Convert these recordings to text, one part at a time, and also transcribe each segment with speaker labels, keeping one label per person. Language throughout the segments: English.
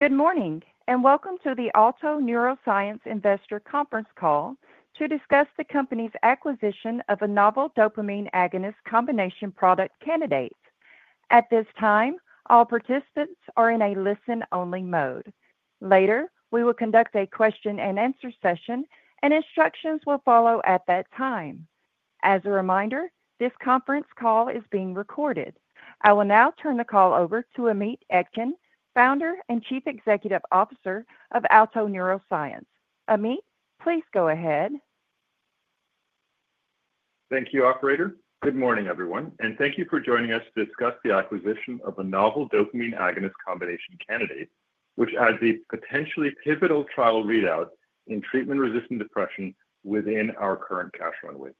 Speaker 1: Good morning, and welcome to the Alto Neuroscience Investor Conference call to discuss the company's acquisition of a novel dopamine agonist combination product candidate. At this time, all participants are in a listen-only mode. Later, we will conduct a Q&A session, and instructions will follow at that time. As a reminder, this conference call is being recorded. I will now turn the call over to Amit Etkin, Founder and Chief Executive Officer of Alto Neuroscience. Amit, please go ahead.
Speaker 2: Thank you, Operator. Good morning, everyone, and thank you for joining us to discuss the acquisition of a novel dopamine agonist combination candidate, which has a potentially pivotal trial readout in treatment-resistant depression within our current cash runway.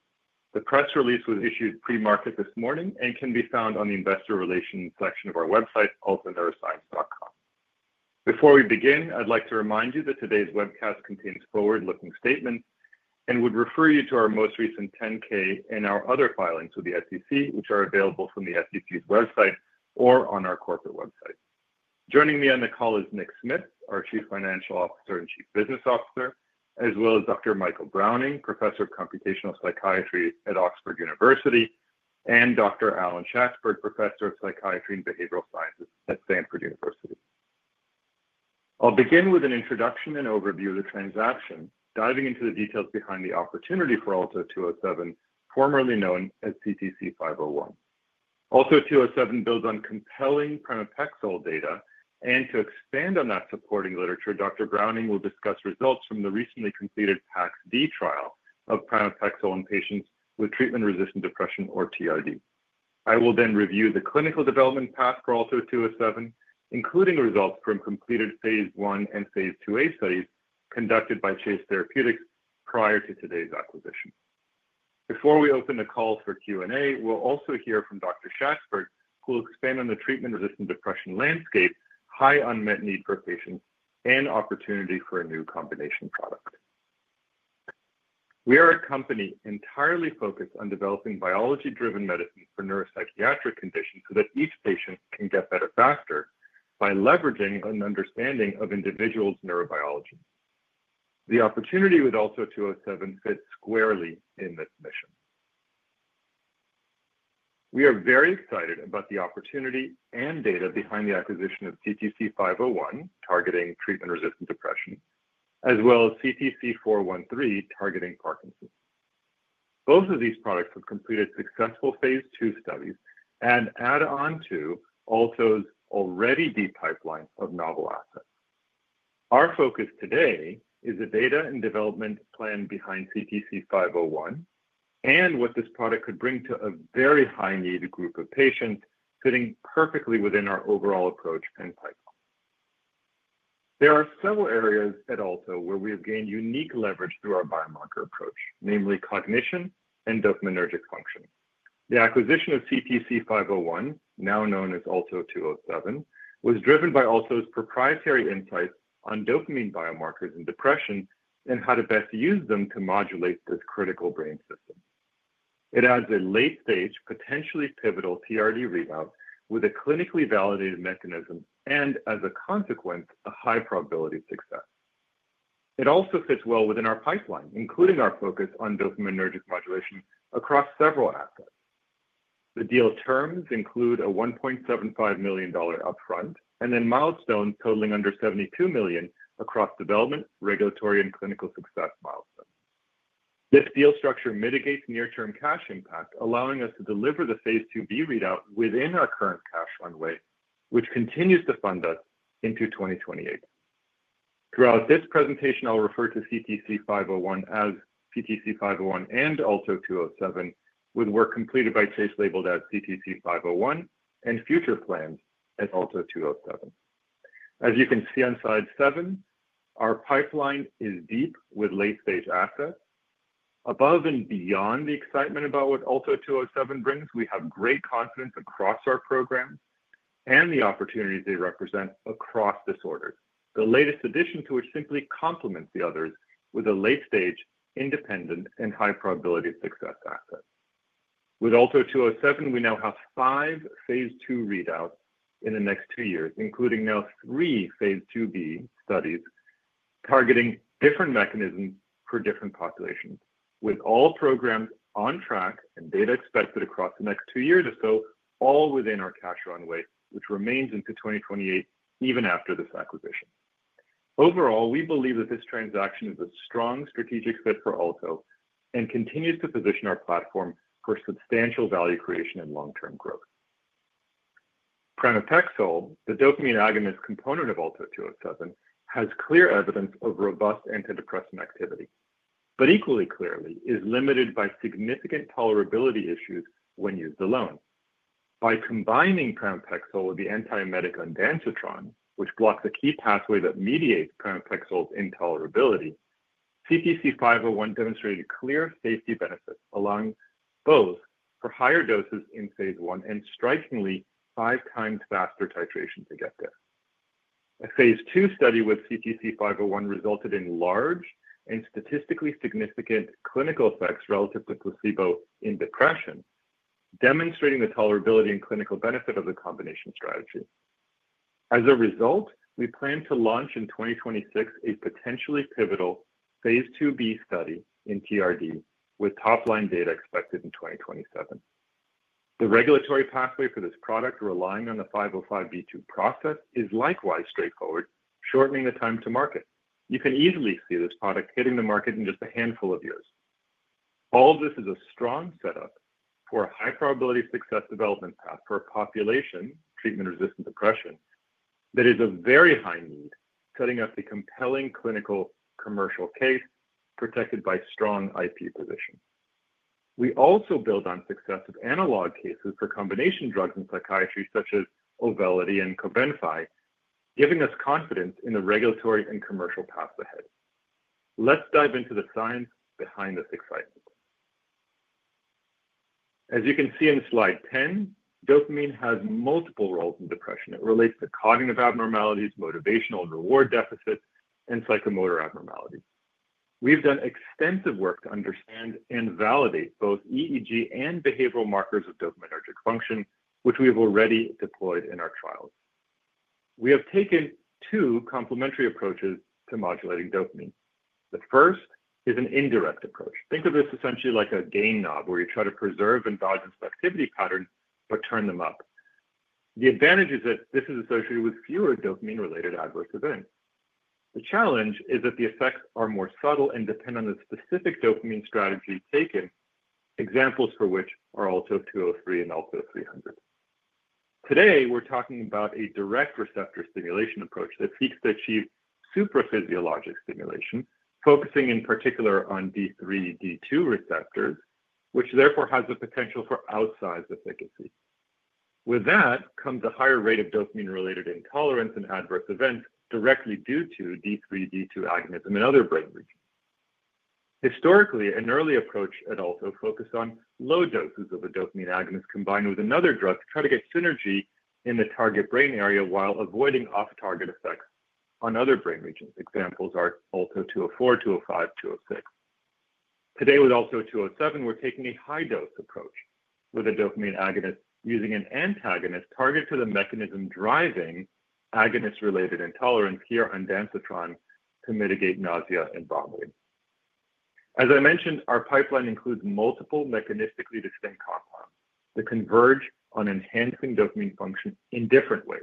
Speaker 2: The press release was issued pre-market this morning and can be found on the investor relations section of our website, altoneuroscience.com. Before we begin, I'd like to remind you that today's webcast contains forward-looking statements and would refer you to our most recent 10-K and our other filings with the SEC, which are available from the SEC's website or on our corporate website. Joining me on the call is Nick Smith, our Chief Financial Officer and Chief Business Officer, as well as Dr. Michael Browning, Professor of Computational Psychiatry at Oxford University, and Dr. Alan Schatzberg, Professor of Psychiatry and Behavioral Sciences at Stanford University. I'll begin with an introduction and overview of the transaction, diving into the details behind the opportunity for ALTO-207, formerly known as CTC-501. ALTO-207 builds on compelling pramipexole data, and to expand on that supporting literature, Dr. Browning will discuss results from the recently completed PAX-D trial of pramipexole in patients with treatment-resistant depression, or TRD. I will then review the clinical development path for ALTO-207, including results from completed phase I and phase IIa studies conducted by Chase Therapeutics prior to today's acquisition. Before we open the call for Q&A, we'll also hear from Dr. Schatzberg, who will expand on the treatment-resistant depression landscape, high unmet need for patients, and opportunity for a new combination product. We are a company entirely focused on developing biology-driven medicine for neuropsychiatric conditions so that each patient can get better faster by leveraging an understanding of individuals' neurobiology. The opportunity with ALTO-207 fits squarely in this mission. We are very excited about the opportunity and data behind the acquisition of CTC-501, targeting treatment-resistant depression, as well as CTC-413, targeting Parkinson's. Both of these products have completed successful phase two studies and add on to Alto's already deep pipeline of novel assets. Our focus today is the data and development plan behind CTC-501 and what this product could bring to a very high-need group of patients, fitting perfectly within our overall approach and pipeline. There are several areas at Alto where we have gained unique leverage through our biomarker approach, namely cognition and dopaminergic function. The acquisition of CTC-501, now known as ALTO-207, was driven by Alto's proprietary insights on dopamine biomarkers in depression and how to best use them to modulate this critical brain system. It adds a late-stage, potentially pivotal TRD readout with a clinically validated mechanism and, as a consequence, a high probability of success. It also fits well within our pipeline, including our focus on dopaminergic modulation across several assets. The deal terms include a $1.75 million upfront and then milestones totaling under $72 million across development, regulatory, and clinical success milestones. This deal structure mitigates near-term cash impact, allowing us to deliver the phase IIb readout within our current cash runway, which continues to fund us into 2028. Throughout this presentation, I'll refer to CTC-501 as CTC-501 and ALTO-207 with work completed by Chase labeled as CTC-501 and future plans as ALTO-207. As you can see on slide seven, our pipeline is deep with late-stage assets. Above and beyond the excitement about what ALTO-207 brings, we have great confidence across our programs and the opportunities they represent across disorders. The latest addition to it simply complements the others with a late-stage, independent, and high probability of success asset. With ALTO-207, we now have five phase two readouts in the next two years, including now three phase IIb studies targeting different mechanisms for different populations, with all programs on track and data expected across the next two years or so, all within our cash runway, which remains into 2028 even after this acquisition. Overall, we believe that this transaction is a strong strategic fit for Alto and continues to position our platform for substantial value creation and long-term growth. Pramipexole, the dopamine agonist component of ALTO-207, has clear evidence of robust antidepressant activity, but equally clearly is limited by significant tolerability issues when used alone. By combining pramipexole with the antiemetic ondansetron, which blocks a key pathway that mediates pramipexole's intolerability, CTC-501 demonstrated clear safety benefits along both for higher doses in phase I and strikingly five times faster titration to get there. A phase two study with CTC-501 resulted in large and statistically significant clinical effects relative to placebo in depression, demonstrating the tolerability and clinical benefit of the combination strategy. As a result, we plan to launch in 2026 a potentially pivotal phase IIb study in TRD with top-line data expected in 2027. The regulatory pathway for this product, relying on the 505(b)(2) process, is likewise straightforward, shortening the time to market. You can easily see this product hitting the market in just a handful of years. All of this is a strong setup for a high probability success development path for a population, treatment-resistant depression, that is of very high need, setting up a compelling clinical commercial case protected by strong IP positions. We also build on success of analog cases for combination drugs in psychiatry, such as Auvelity and Cobenfy, giving us confidence in the regulatory and commercial path ahead. Let's dive into the science behind this excitement. As you can see in slide 10, dopamine has multiple roles in depression. It relates to cognitive abnormalities, motivational and reward deficits, and psychomotor abnormalities. We've done extensive work to understand and validate both EEG and behavioral markers of dopaminergic function, which we have already deployed in our trials. We have taken two complementary approaches to modulating dopamine. The first is an indirect approach. Think of this essentially like a game knob where you try to preserve endogenous activity patterns but turn them up. The advantage is that this is associated with fewer dopamine-related adverse events. The challenge is that the effects are more subtle and depend on the specific dopamine strategy taken, examples for which are ALTO-203 and ALTO-300. Today, we're talking about a direct receptor stimulation approach that seeks to achieve supraphysiologic stimulation, focusing in particular on D3/D2 receptors, which therefore has the potential for outsized efficacy. With that comes a higher rate of dopamine-related intolerance and adverse events directly due to D3/ D2 agonism in other brain regions. Historically, an early approach at Alto focused on low doses of a dopamine agonist combined with another drug to try to get synergy in the target brain area while avoiding off-target effects on other brain regions. Examples are ALTO-204, ALTO-205, ALTO-206. Today, with ALTO-207, we're taking a high-dose approach with a dopamine agonist using an antagonist targeted to the mechanism driving agonist-related intolerance, here ondansetron, to mitigate nausea and vomiting. As I mentioned, our pipeline includes multiple mechanistically distinct compounds that converge on enhancing dopamine function in different ways.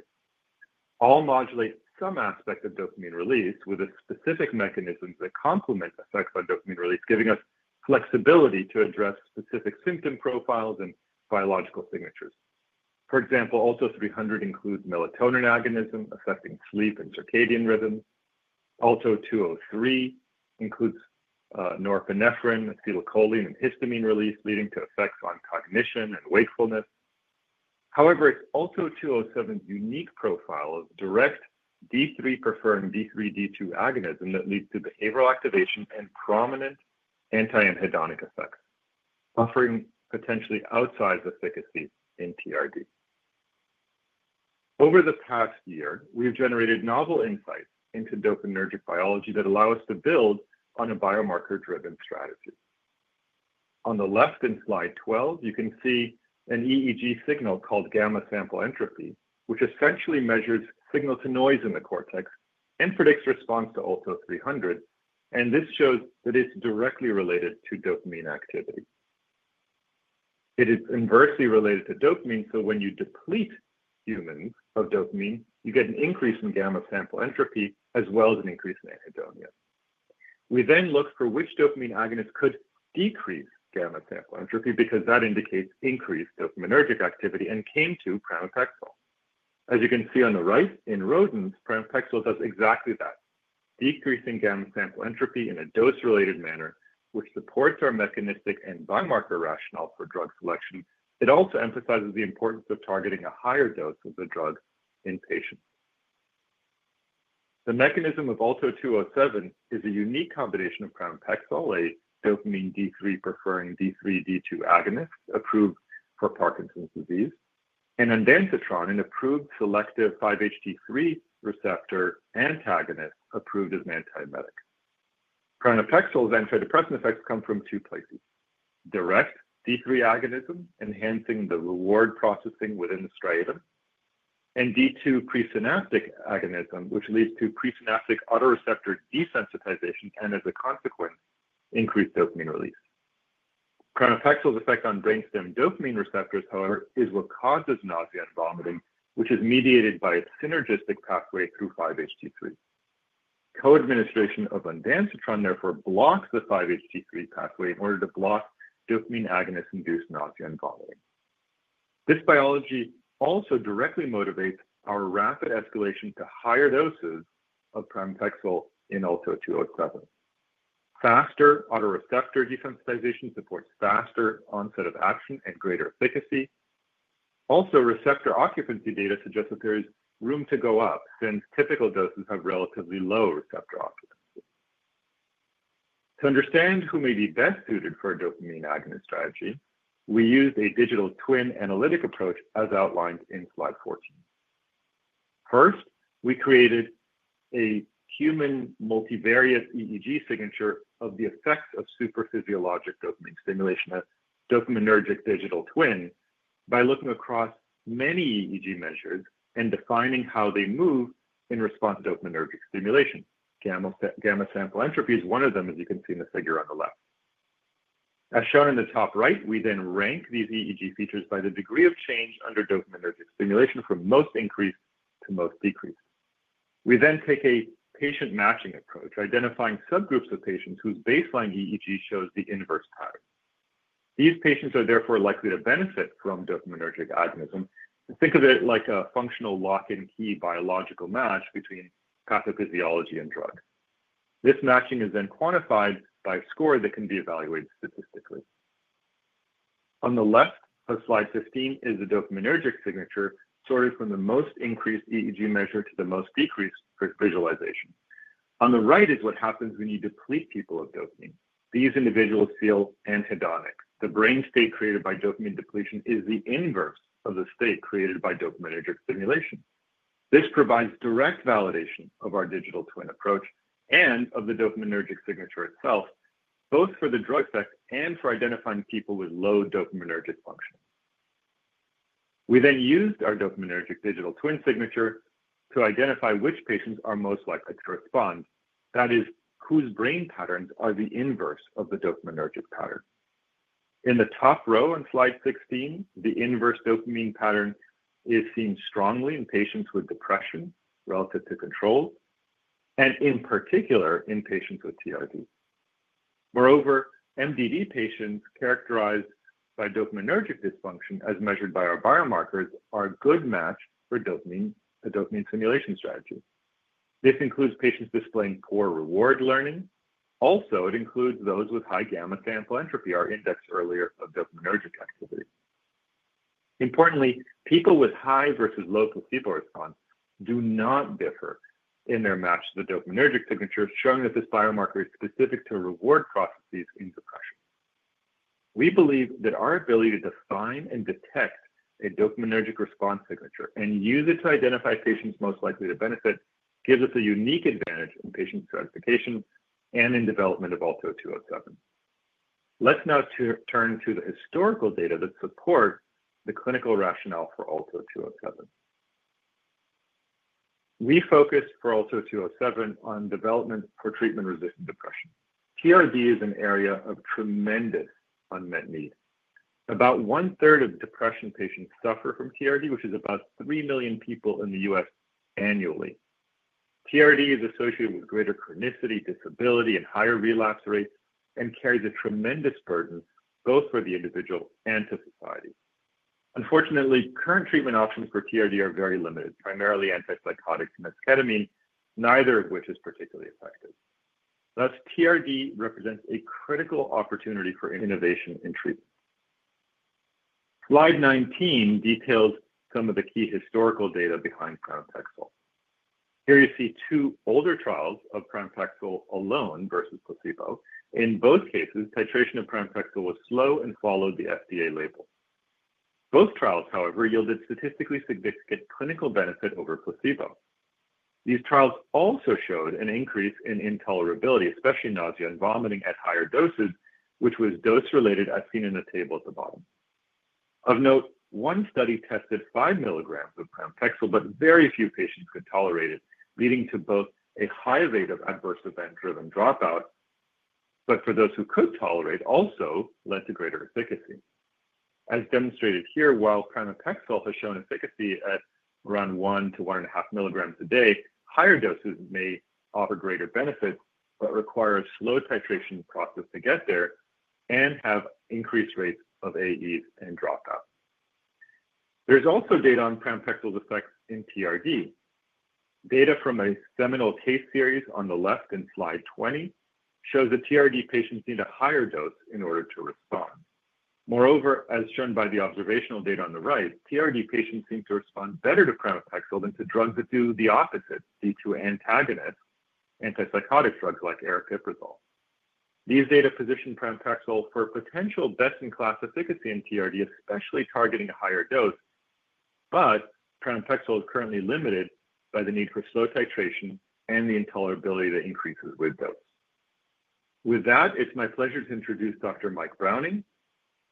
Speaker 2: All modulate some aspect of dopamine release with a specific mechanism that complements effects on dopamine release, giving us flexibility to address specific symptom profiles and biological signatures. For example, ALTO-300 includes melatonin agonism affecting sleep and circadian rhythm. ALTO-203 includes norepinephrine, acetylcholine, and histamine release, leading to effects on cognition and wakefulness. However, it's ALTO-207's unique profile of direct D3-preferring D3/D2 agonism that leads to behavioral activation and prominent anti-anhedonic effects, offering potentially outsized efficacy in TRD. Over the past year, we've generated novel insights into dopaminergic biology that allow us to build on a biomarker-driven strategy. On the left in slide 12, you can see an EEG signal called gamma sample entropy, which essentially measures signal-to-noise in the cortex and predicts response to ALTO-300, and this shows that it's directly related to dopamine activity. It is inversely related to dopamine, so when you deplete humans of dopamine, you get an increase in gamma sample entropy as well as an increase in anhedonia. We then looked for which dopamine agonist could decrease gamma sample entropy because that indicates increased dopaminergic activity and came to pramipexole. As you can see on the right in rodents, pramipexole does exactly that, decreasing gamma sample entropy in a dose-related manner, which supports our mechanistic and biomarker rationale for drug selection. It also emphasizes the importance of targeting a higher dose of the drug in patients. The mechanism of ALTO-207 is a unique combination of pramipexole, a dopamine D3-preferring D2/D3 agonist approved for Parkinson's disease, and ondansetron, an approved selective 5-HT3 receptor antagonist approved as an antiemetic. Pramipexole's antidepressant effects come from two places: direct D3 agonism, enhancing the reward processing within the striatum, and D2 presynaptic agonism, which leads to presynaptic autoreceptor desensitization and, as a consequence, increased dopamine release. Pramipexole's effect on brainstem dopamine receptors, however, is what causes nausea and vomiting, which is mediated by a synergistic pathway through 5-HT3. Co-administration of ondansetron therefore blocks the 5-HT3 pathway in order to block dopamine agonist-induced nausea and vomiting. This biology also directly motivates our rapid escalation to higher doses of pramipexole in ALTO-207. Faster autoreceptor desensitization supports faster onset of action and greater efficacy. Also, receptor occupancy data suggests that there is room to go up since typical doses have relatively low receptor occupancy. To understand who may be best suited for a dopamine agonist strategy, we used a digital twin analytic approach as outlined in slide 14. First, we created a human multivariate EEG signature of the effects of supraphysiologic dopamine stimulation, a dopaminergic digital twin, by looking across many EEG measures and defining how they move in response to dopaminergic stimulation. Gamma sample entropy is one of them, as you can see in the figure on the left. As shown in the top right, we then rank these EEG features by the degree of change under dopaminergic stimulation from most increased to most decreased. We then take a patient matching approach, identifying subgroups of patients whose baseline EEG shows the inverse pattern. These patients are therefore likely to benefit from dopaminergic agonism. Think of it like a functional lock-and-key biological match between pathophysiology and drug. This matching is then quantified by a score that can be evaluated statistically. On the left of slide 15 is the dopaminergic signature sorted from the most increased EEG measure to the most decreased for visualization. On the right is what happens when you deplete people of dopamine. These individuals feel anhedonic. The brain state created by dopamine depletion is the inverse of the state created by dopaminergic stimulation. This provides direct validation of our digital twin approach and of the dopaminergic signature itself, both for the drug effect and for identifying people with low dopaminergic function. We then used our dopaminergic digital twin signature to identify which patients are most likely to respond. That is, whose brain patterns are the inverse of the dopaminergic pattern. In the top row on slide 16, the inverse dopamine pattern is seen strongly in patients with depression relative to controls and, in particular, in patients with TRD. Moreover, MDD patients characterized by dopaminergic dysfunction, as measured by our biomarkers, are a good match for the dopamine stimulation strategy. This includes patients displaying poor reward learning. Also, it includes those with high gamma sample entropy, our index earlier of dopaminergic activity. Importantly, people with high versus low placebo response do not differ in their match to the dopaminergic signature, showing that this biomarker is specific to reward processes in depression. We believe that our ability to define and detect a dopaminergic response signature and use it to identify patients most likely to benefit gives us a unique advantage in patient stratification and in development of ALTO-207. Let's now turn to the historical data that support the clinical rationale for ALTO-207. We focus for ALTO-207 on development for treatment-resistant depression. TRD is an area of tremendous unmet need. About one-third of depression patients suffer from TRD, which is about 3 million people in the U.S. annually. TRD is associated with greater chronicity, disability, and higher relapse rates and carries a tremendous burden both for the individual and to society. Unfortunately, current treatment options for TRD are very limited, primarily antipsychotic mesketamine, neither of which is particularly effective. Thus, TRD represents a critical opportunity for innovation in treatment. Slide 19 details some of the key historical data behind pramipexole. Here you see two older trials of pramipexole alone versus placebo. In both cases, titration of pramipexole was slow and followed the FDA label. Both trials, however, yielded statistically significant clinical benefit over placebo. These trials also showed an increase in intolerability, especially nausea and vomiting at higher doses, which was dose-related, as seen in the table at the bottom. Of note, one study tested 5 mg of pramipexole, but very few patients could tolerate it, leading to both a high rate of adverse event-driven dropout, but for those who could tolerate also led to greater efficacy. As demonstrated here, while pramipexole has shown efficacy at around 1 mg to 1.5 mg a day, higher doses may offer greater benefit but require a slow titration process to get there and have increased rates of AEs and dropout. There's also data on pramipexole's effects in TRD. Data from a seminal case series on the left in slide 20 shows that TRD patients need a higher dose in order to respond. Moreover, as shown by the observational data on the right, TRD patients seem to respond better to pramipexole than to drugs that do the opposite, D2 antagonist antipsychotic drugs like aripiprazole. These data position pramipexole for potential best-in-class efficacy in TRD, especially targeting a higher dose, but pramipexole is currently limited by the need for slow titration and the intolerability that increases with dose. With that, it's my pleasure to introduce Dr. Michael Browning.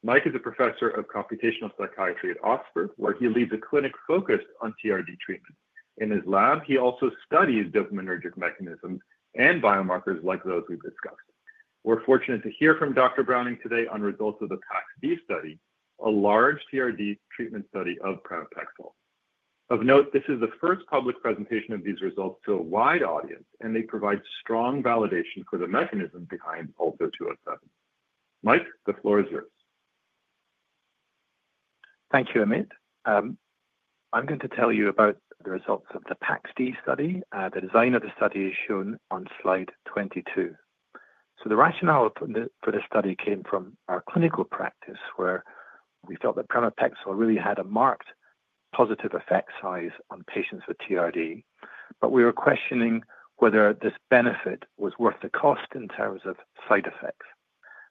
Speaker 2: Mike is a professor of computational psychiatry at Oxford University, where he leads a clinic focused on TRD treatment. In his lab, he also studies dopaminergic mechanisms and biomarkers like those we've discussed. We're fortunate to hear from Dr. Browning today on results of the PAX-D study, a large TRD treatment study of pramipexole. Of note, this is the first public presentation of these results to a wide audience, and they provide strong validation for the mechanism behind ALTO-207. Mike, the floor is yours.
Speaker 3: Thank you, Amit. I'm going to tell you about the results of the PAX-D study. The design of the study is shown on slide 22. The rationale for this study came from our clinical practice, where we felt that pramipexole really had a marked positive effect size on patients with TRD, but we were questioning whether this benefit was worth the cost in terms of side effects.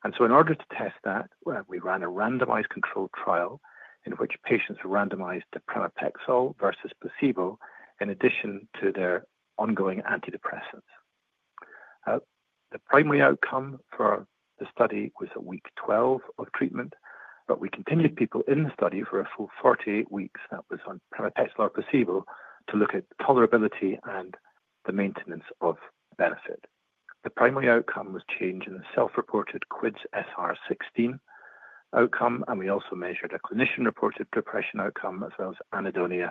Speaker 3: In order to test that, we ran a randomized controlled trial in which patients were randomized to pramipexole versus placebo in addition to their ongoing antidepressants. The primary outcome for the study was at week 12 of treatment, but we continued people in the study for a full 48 weeks that was on pramipexole or placebo to look at tolerability and the maintenance of benefit. The primary outcome was change in the self-reported QIDS-SR16 outcome, and we also measured a clinician-reported depression outcome as well as anhedonia,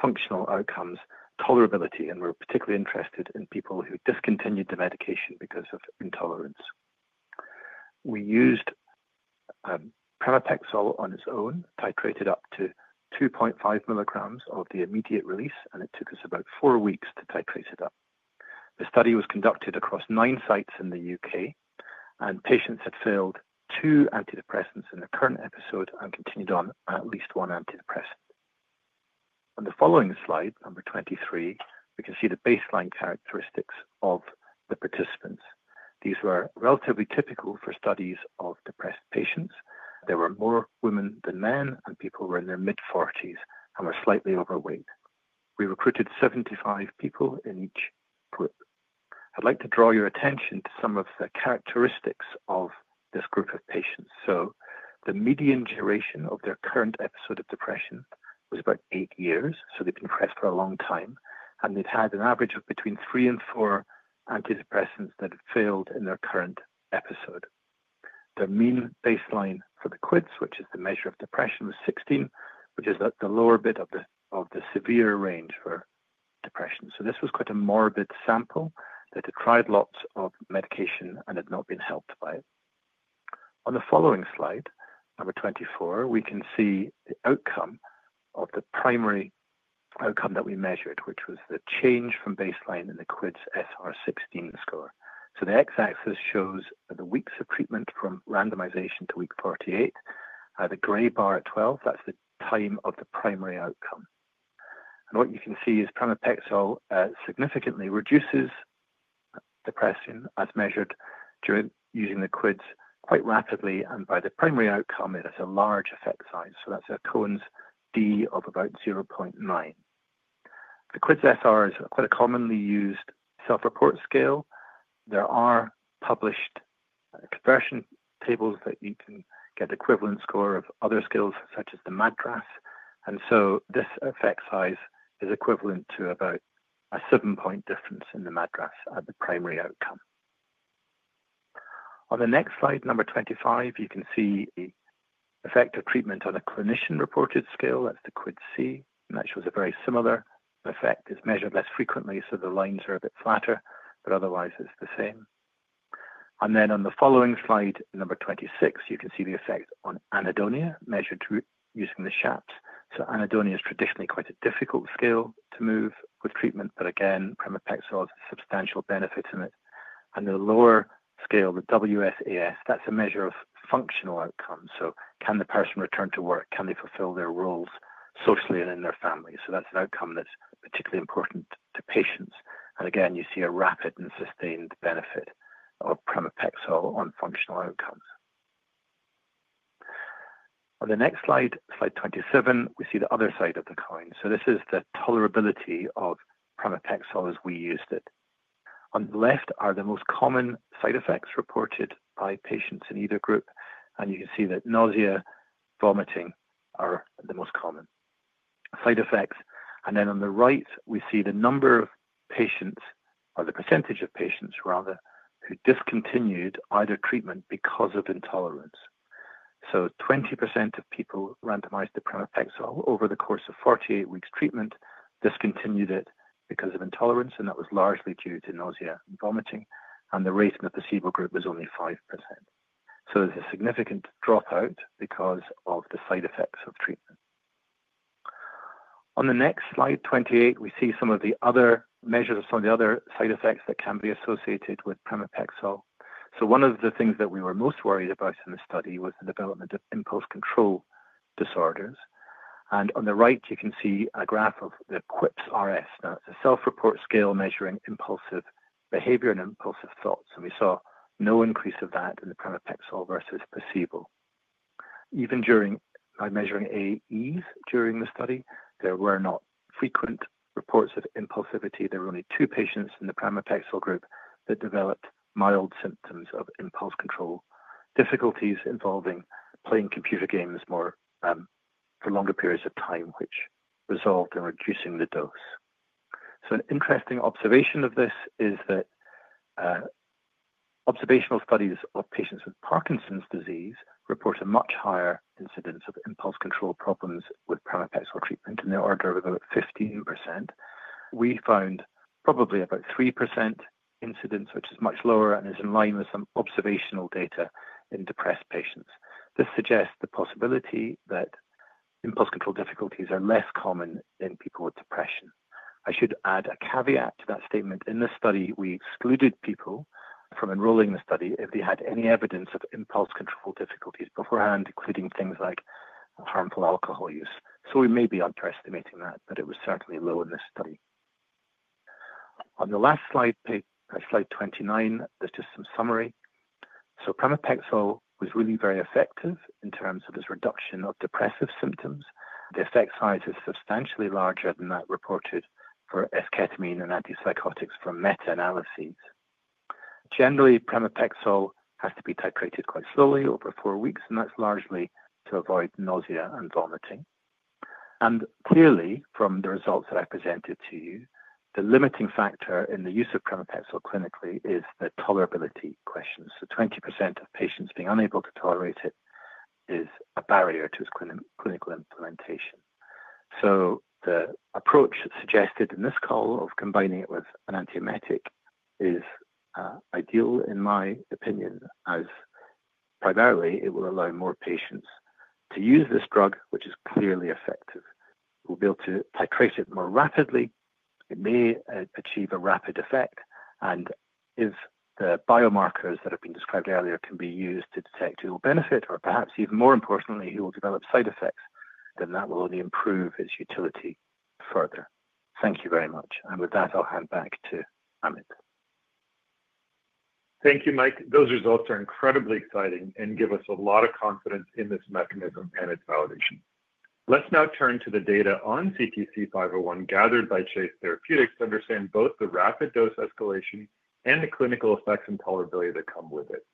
Speaker 3: functional outcomes, tolerability, and we were particularly interested in people who discontinued the medication because of intolerance. We used pramipexole on its own, titrated up to 2.5 mg of the immediate release, and it took us about four weeks to titrate it up. The study was conducted across nine sites in the U.K., and patients had failed two antidepressants in the current episode and continued on at least one antidepressant. On the following slide, number 23, we can see the baseline characteristics of the participants. These were relatively typical for studies of depressed patients. There were more women than men, and people were in their mid-40s and were slightly overweight. We recruited 75 people in each group. I'd like to draw your attention to some of the characteristics of this group of patients. The median duration of their current episode of depression was about eight years, so they've been depressed for a long time, and they've had an average of between three and four antidepressants that have failed in their current episode. Their mean baseline for the QIDS, which is the measure of depression, was 16, which is the lower bit of the severe range for depression. This was quite a morbid sample that had tried lots of medication and had not been helped by it. On the following slide, number 24, we can see the outcome of the primary outcome that we measured, which was the change from baseline in the QIDS-SR16 score. The X-axis shows the weeks of treatment from randomization to week 48. The gray bar at 12, that's the time of the primary outcome. What you can see is pramipexole significantly reduces depression as measured using the QIDS quite rapidly, and by the primary outcome, it has a large effect size. That's a Cohen's d of about 0.9. The QIDS-SR is quite a commonly used self-report scale. There are published conversion tables that you can get equivalent scores of other scales such as the MADRS, and this effect size is equivalent to about a seven-point difference in the MADRS at the primary outcome. On the next slide, number 25, you can see the effect of treatment on a clinician-reported scale. That's the QIDS-C, and that shows a very similar effect. It's measured less frequently, so the lines are a bit flatter, but otherwise, it's the same. On the following slide, number 26, you can see the effect on anhedonia, measured using the SHAPS. Anhedonia is traditionally quite a difficult scale to move with treatment, but again, pramipexole has substantial benefits in it. The lower scale, the WSAS, that's a measure of functional outcome. Can the person return to work? Can they fulfill their roles socially and in their family? That's an outcome that's particularly important to patients. Again, you see a rapid and sustained benefit of pramipexole on functional outcomes. On the next slide, slide 27, we see the other side of the coin. This is the tolerability of pramipexole as we used it. On the left are the most common side effects reported by patients in either group, and you can see that nausea, vomiting are the most common side effects. On the right, we see the number of patients, or the percentage of patients, rather, who discontinued either treatment because of intolerance. Twenty percent of people randomized to pramipexole over the course of 48 weeks' treatment discontinued it because of intolerance, and that was largely due to nausea and vomiting, and the rate in the placebo group was only 5%. There is a significant dropout because of the side effects of treatment. On the next slide, 28, we see some of the other measures of some of the other side effects that can be associated with pramipexole. One of the things that we were most worried about in the study was the development of impulse control disorders. On the right, you can see a graph of the QUIPS-RS. Now, it is a self-report scale measuring impulsive behavior and impulsive thoughts, and we saw no increase of that in the pramipexole versus placebo. Even by measuring AEs during the study, there were not frequent reports of impulsivity. There were only two patients in the pramipexole group that developed mild symptoms of impulse control difficulties involving playing computer games for longer periods of time, which resulted in reducing the dose. An interesting observation of this is that observational studies of patients with Parkinson's disease report a much higher incidence of impulse control problems with pramipexole treatment in the order of about 15%. We found probably about 3% incidence, which is much lower and is in line with some observational data in depressed patients. This suggests the possibility that impulse control difficulties are less common in people with depression. I should add a caveat to that statement. In this study, we excluded people from enrolling in the study if they had any evidence of impulse control difficulties beforehand, including things like harmful alcohol use. We may be underestimating that, but it was certainly low in this study. On the last slide, slide 29, there's just some summary. Pramipexole was really very effective in terms of its reduction of depressive symptoms. The effect size is substantially larger than that reported for esketamine and antipsychotics from meta-analyses. Generally, pramipexole has to be titrated quite slowly over four weeks, and that's largely to avoid nausea and vomiting. Clearly, from the results that I presented to you, the limiting factor in the use of pramipexole clinically is the tolerability question. 20% of patients being unable to tolerate it is a barrier to its clinical implementation. The approach suggested in this call of combining it with an antiemetic is ideal, in my opinion, as primarily it will allow more patients to use this drug, which is clearly effective. We'll be able to titrate it more rapidly. It may achieve a rapid effect, and if the biomarkers that have been described earlier can be used to detect dual benefit, or perhaps even more importantly, who will develop side effects, then that will only improve its utility further. Thank you very much. With that, I'll hand back to Amit.
Speaker 2: Thank you, Mike. Those results are incredibly exciting and give us a lot of confidence in this mechanism and its validation. Let's now turn to the data on CTC-501 gathered by Chase Therapeutics to understand both the rapid dose escalation and the clinical effects and tolerability that come with it.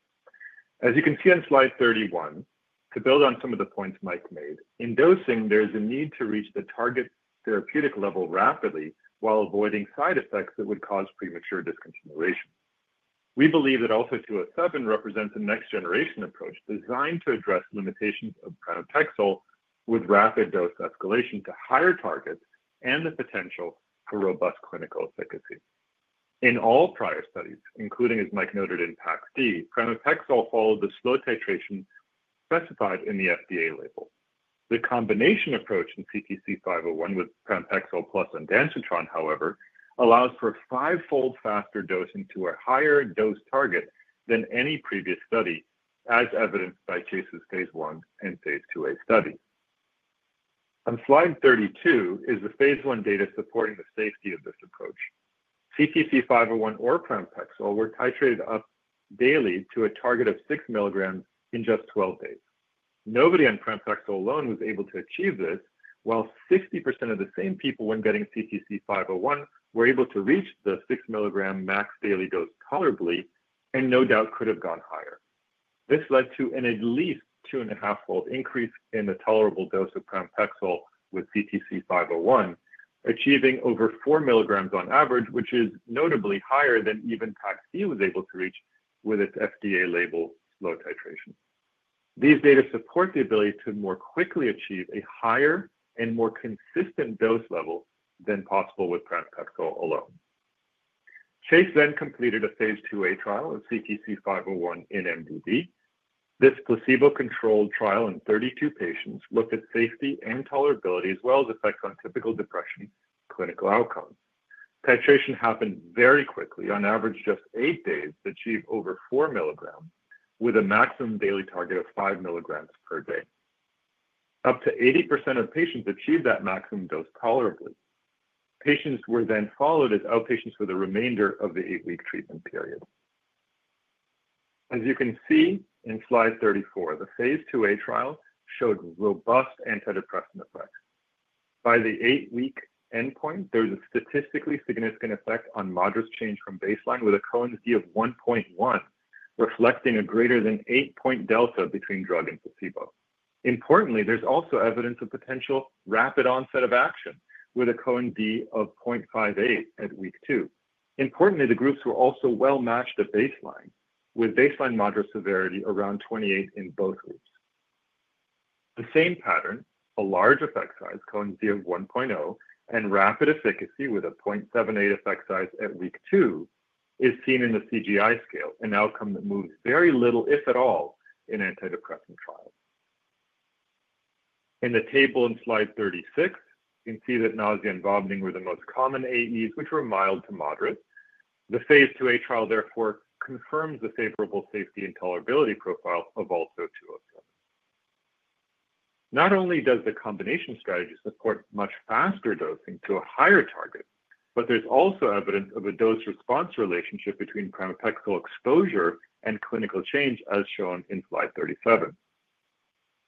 Speaker 2: As you can see on slide 31, to build on some of the points Mike made, in dosing, there is a need to reach the target therapeutic level rapidly while avoiding side effects that would cause premature discontinuation. We believe that ALTO-207 represents a next-generation approach designed to address limitations of pramipexole with rapid dose escalation to higher targets and the potential for robust clinical efficacy. In all prior studies, including as Mike noted in PAX-D, pramipexole followed the slow titration specified in the FDA label. The combination approach in CTC-501 with pramipexole plus ondansetron, however, allows for a fivefold faster dosing to a higher dose target than any previous study, as evidenced by Chase's phase I and phase IIa studies. On slide 32 is the phase I data supporting the safety of this approach. CTC-501 or pramipexole were titrated up daily to a target of 6 mg in just 12 days. Nobody on pramipexole alone was able to achieve this, while 60% of the same people when getting CTC-501 were able to reach the 6 mg max daily dose tolerably and no doubt could have gone higher. This led to an at least two and a half-fold increase in the tolerable dose of pramipexole with CTC-501, achieving over 4 mg on average, which is notably higher than even PAX-D was able to reach with its FDA label slow titration. These data support the ability to more quickly achieve a higher and more consistent dose level than possible with pramipexole alone. Chase then completed a phase IIa trial of CTC-501 in MDD. This placebo-controlled trial in 32 patients looked at safety and tolerability as well as effects on typical depression clinical outcomes. Titration happened very quickly, on average just eight days, to achieve over 4 mg with a maximum daily target of 5 mg per day. Up to 80% of patients achieved that maximum dose tolerably. Patients were then followed as outpatients for the remainder of the eight-week treatment period. As you can see in slide 34, the phase IIa trial showed robust antidepressant effects. By the eight-week endpoint, there was a statistically significant effect on moderate change from baseline with a Cohen's d of 1.1, reflecting a greater than 8-point delta between drug and placebo. Importantly, there's also evidence of potential rapid onset of action with a Cohen's d of 0.58 at week two. Importantly, the groups were also well matched at baseline with baseline moderate severity around 28 in both groups. The same pattern, a large effect size, Cohen's d of 1.0, and rapid efficacy with a 0.78 effect size at week two is seen in the CGI scale, an outcome that moves very little, if at all, in antidepressant trials. In the table in slide 36, you can see that nausea and vomiting were the most common AEs, which were mild to moderate. The phase IIa trial, therefore, confirms the favorable safety and tolerability profile of ALTO-207. Not only does the combination strategy support much faster dosing to a higher target, but there's also evidence of a dose-response relationship between pramipexole exposure and clinical change, as shown in slide 37.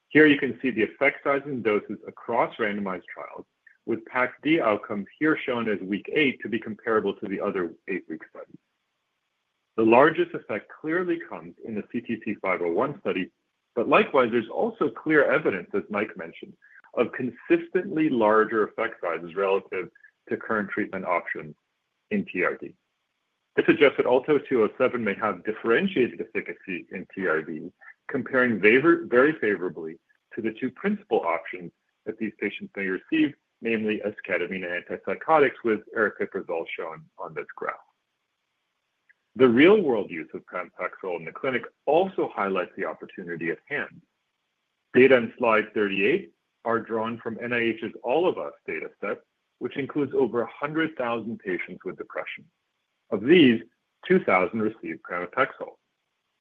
Speaker 2: Here you can see the effect size and doses across randomized trials, with PAX-D outcomes here shown as week eight to be comparable to the other eight-week studies. The largest effect clearly comes in the CTC-501 study, but likewise, there's also clear evidence, as Mike mentioned, of consistently larger effect sizes relative to current treatment options in TRD. This suggests that ALTO-207 may have differentiated efficacy in TRD, comparing very favorably to the two principal options that these patients may receive, namely esketamine and antipsychotics with aripiprazole shown on this graph. The real-world use of pramipexole in the clinic also highlights the opportunity at hand. Data in slide 38 are drawn from NIH's All of Us data set, which includes over 100,000 patients with depression. Of these, 2,000 received pramipexole.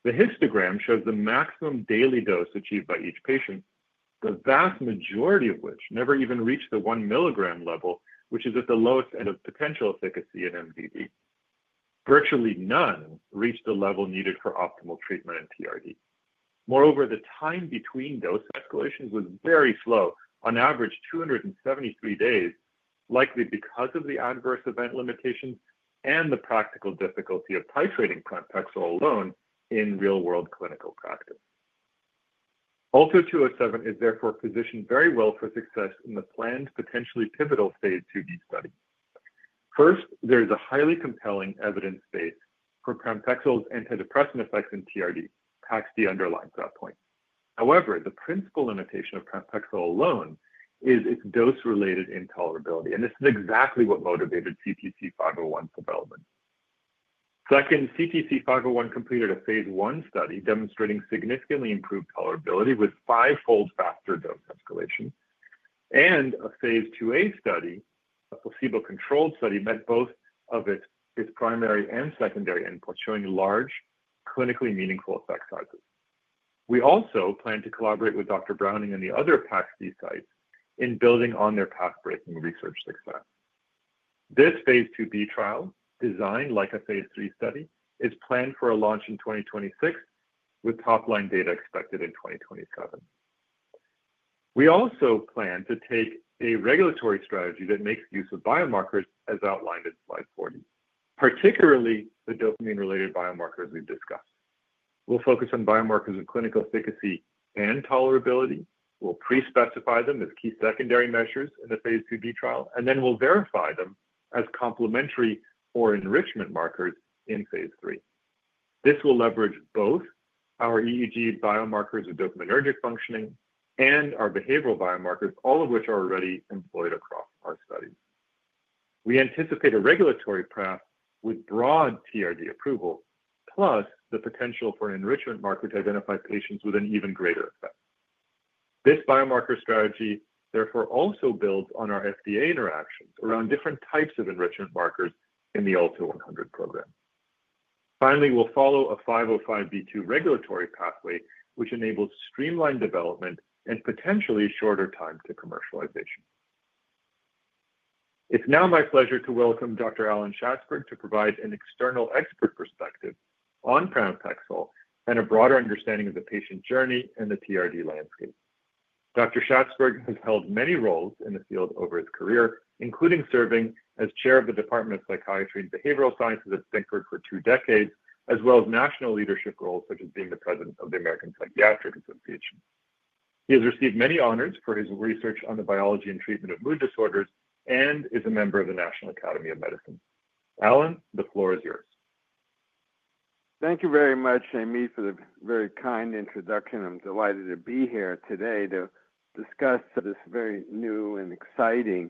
Speaker 2: The histogram shows the maximum daily dose achieved by each patient, the vast majority of which never even reached the 1 mg level, which is at the lowest end of potential efficacy in MDD. Virtually none reached the level needed for optimal treatment in TRD. Moreover, the time between dose escalations was very slow, on average 273 days, likely because of the adverse event limitations and the practical difficulty of titrating pramipexole alone in real-world clinical practice. ALTO-207 is therefore positioned very well for success in the planned potentially pivotal phase IIb study. First, there is a highly compelling evidence base for pramipexole's antidepressant effects in TRD. PAX-D underlines that point. However, the principal limitation of pramipexole alone is its dose-related intolerability, and this is exactly what motivated CTC-501's development. Second, CTC-501 completed a phase one study demonstrating significantly improved tolerability with fivefold faster dose escalation. A phase IIa study, a placebo-controlled study, met both of its primary and secondary inputs, showing large, clinically meaningful effect sizes. We also plan to collaborate with Dr. Browning and the other PAX-D sites in building on their pathbreaking research success. This phase IIb trial, designed like a phase III study, is planned for a launch in 2026, with top-line data expected in 2027. We also plan to take a regulatory strategy that makes use of biomarkers, as outlined in slide 40, particularly the dopamine-related biomarkers we've discussed. We'll focus on biomarkers of clinical efficacy and tolerability. We'll pre-specify them as key secondary measures in the phase IIb trial, and then we'll verify them as complementary or enrichment markers in phase III. This will leverage both our EEG biomarkers of dopaminergic functioning and our behavioral biomarkers, all of which are already employed across our studies. We anticipate a regulatory path with broad TRD approval, plus the potential for an enrichment marker to identify patients with an even greater effect. This biomarker strategy, therefore, also builds on our FDA interactions around different types of enrichment markers in the ALTO-100 program. Finally, we'll follow a 505(b)(2) regulatory pathway, which enables streamlined development and potentially shorter time to commercialization. It's now my pleasure to welcome Dr. Alan Schatzberg to provide an external expert perspective on pramipexole and a broader understanding of the patient journey and the TRD landscape. Dr. Schatzberg has held many roles in the field over his career, including serving as Chair of the Department of Psychiatry and Behavioral Sciences at Stanford University for two decades, as well as national leadership roles such as being the President of the American Psychiatric Association. He has received many honors for his research on the biology and treatment of mood disorders and is a member of the National Academy of Medicine. Alan, the floor is yours.
Speaker 4: Thank you very much, Amit, for the very kind introduction. I'm delighted to be here today to discuss this very new and exciting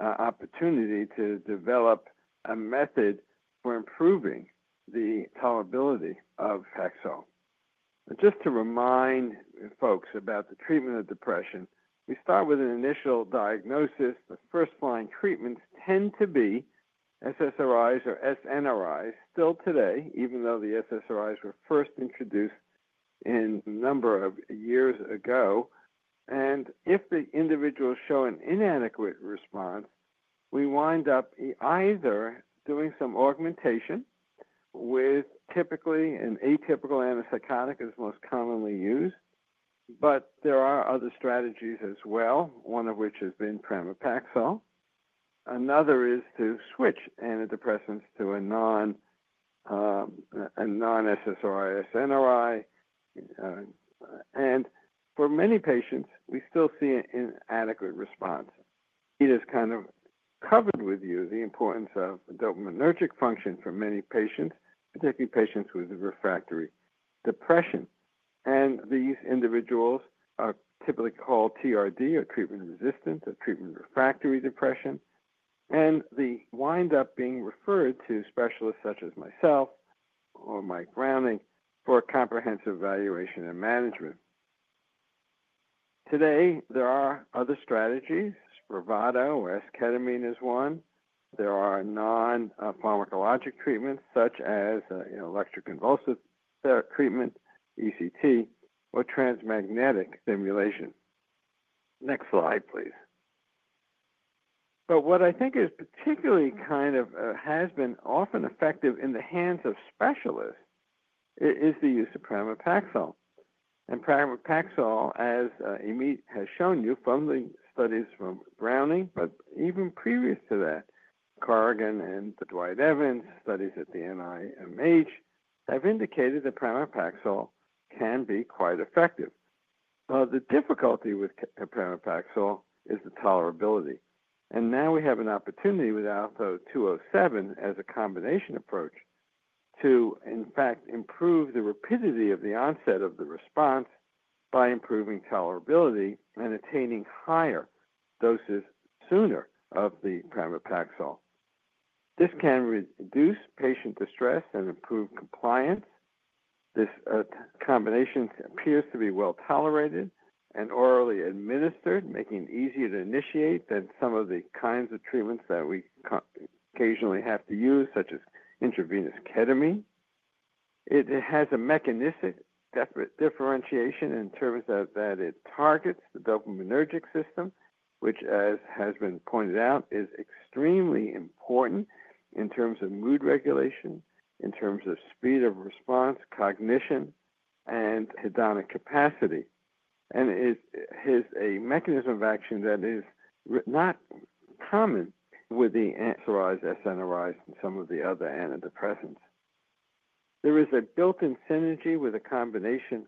Speaker 4: opportunity to develop a method for improving the tolerability of Paxil. Just to remind folks about the treatment of depression, we start with an initial diagnosis. The first-line treatments tend to be SSRIs or SNRIs still today, even though the SSRIs were first introduced a number of years ago. If the individuals show an inadequate response, we wind up either doing some augmentation with typically an atypical antipsychotic is most commonly used, but there are other strategies as well, one of which has been pramipexole. Another is to switch antidepressants to a non-SSRI/SNRI. For many patients, we still see an inadequate response. It is kind of covered with you the importance of dopaminergic function for many patients, particularly patients with refractory depression. These individuals are typically called TRD or treatment-resistant or treatment-refractory depression. They wind up being referred to specialists such as myself or Michael Browning for comprehensive evaluation and management. Today, there are other strategies. SPRAVATO or esketamine is one. There are non-pharmacologic treatments such as electroconvulsive therapy, ECT, or transmagnetic stimulation. Next slide, please. What I think is particularly kind of has been often effective in the hands of specialists is the use of pramipexole. Pramipexole, as Amit has shown you from the studies from Browning, but even previous to that, Corrigan and Dwight Evans' studies at the NIMH have indicated that pramipexole can be quite effective. The difficulty with pramipexole is the tolerability. We now have an opportunity with ALTO-207 as a combination approach to, in fact, improve the rapidity of the onset of the response by improving tolerability and attaining higher doses sooner of the pramipexole. This can reduce patient distress and improve compliance. This combination appears to be well tolerated and orally administered, making it easier to initiate than some of the kinds of treatments that we occasionally have to use, such as intravenous ketamine. It has a mechanistic differentiation in terms of that it targets the dopaminergic system, which, as has been pointed out, is extremely important in terms of mood regulation, in terms of speed of response, cognition, and hedonic capacity. It is a mechanism of action that is not common with the SSRIs, SNRIs, and some of the other antidepressants. There is a built-in synergy with a combination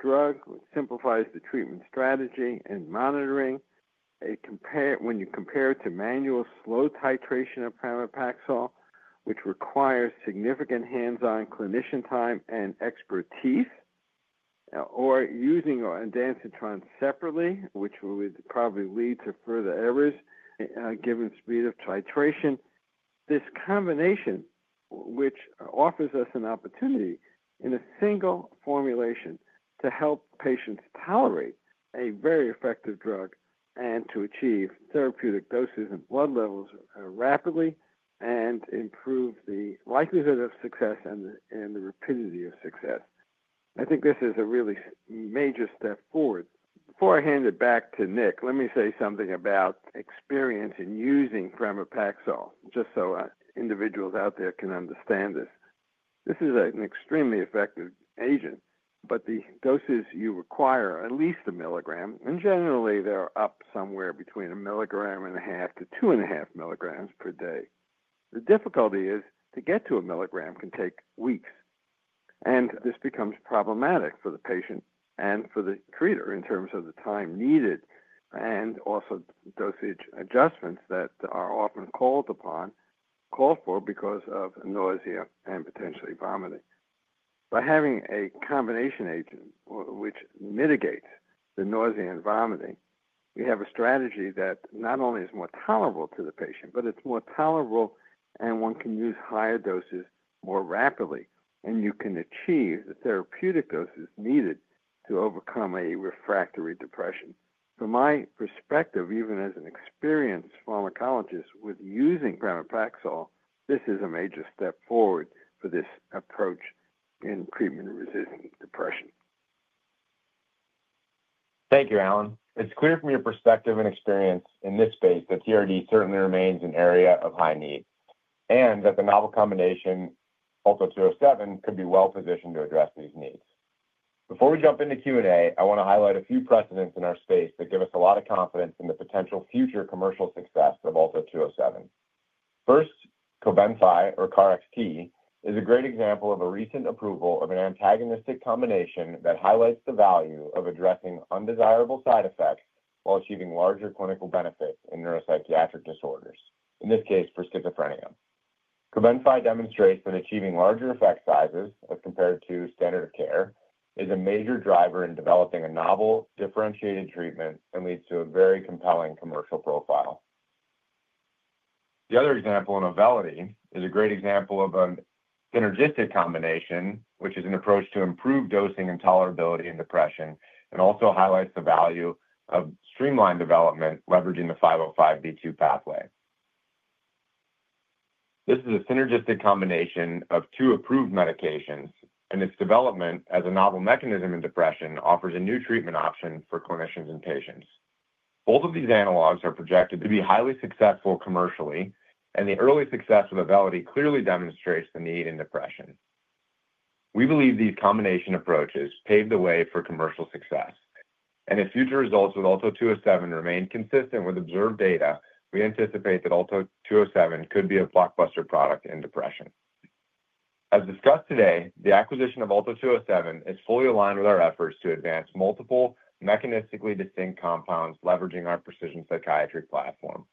Speaker 4: drug which simplifies the treatment strategy and monitoring. When you compare it to manual slow titration of pramipexole, which requires significant hands-on clinician time and expertise, or using ondansetron separately, which would probably lead to further errors given speed of titration, this combination, which offers us an opportunity in a single formulation to help patients tolerate a very effective drug and to achieve therapeutic doses and blood levels rapidly and improve the likelihood of success and the rapidity of success. I think this is a really major step forward. Before I hand it back to Nick, let me say something about experience in using pramipexole, just so individuals out there can understand this. This is an extremely effective agent, but the doses you require are at least a milligram. Generally, they're up somewhere between 1.5 mg-2.5 mg per day. The difficulty is to get to 1 mg can take weeks. This becomes problematic for the patient and for the treater in terms of the time needed and also dosage adjustments that are often called for because of nausea and potentially vomiting. By having a combination agent which mitigates the nausea and vomiting, we have a strategy that not only is more tolerable to the patient, but it's more tolerable and one can use higher doses more rapidly. You can achieve the therapeutic doses needed to overcome a refractory depression. From my perspective, even as an experienced pharmacologist with using pramipexole, this is a major step forward for this approach in treatment-resistant depression.
Speaker 5: Thank you, Alan. It's clear from your perspective and experience in this space that TRD certainly remains an area of high need and that the novel combination ALTO-207 could be well positioned to address these needs. Before we jump into Q&A, I want to highlight a few precedents in our space that give us a lot of confidence in the potential future commercial success of ALTO-207. First, Cobenfy or KarXT is a great example of a recent approval of an antagonistic combination that highlights the value of addressing undesirable side effects while achieving larger clinical benefits in neuropsychiatric disorders, in this case, for schizophrenia. Cobenfy demonstrates that achieving larger effect sizes as compared to standard of care is a major driver in developing a novel differentiated treatment and leads to a very compelling commercial profile. The other example, Auvelity, is a great example of a synergistic combination, which is an approach to improve dosing and tolerability in depression and also highlights the value of streamlined development leveraging the 505(b)(2) pathway. This is a synergistic combination of two approved medications, and its development as a novel mechanism in depression offers a new treatment option for clinicians and patients. Both of these analogs are projected to be highly successful commercially, and the early success with Auvelity clearly demonstrates the need in depression. We believe these combination approaches pave the way for commercial success. If future results with ALTO-207 remain consistent with observed data, we anticipate that ALTO-207 could be a blockbuster product in depression. As discussed today, the acquisition of ALTO-207 is fully aligned with our efforts to advance multiple mechanistically distinct compounds leveraging our Precision Psychiatry Platform.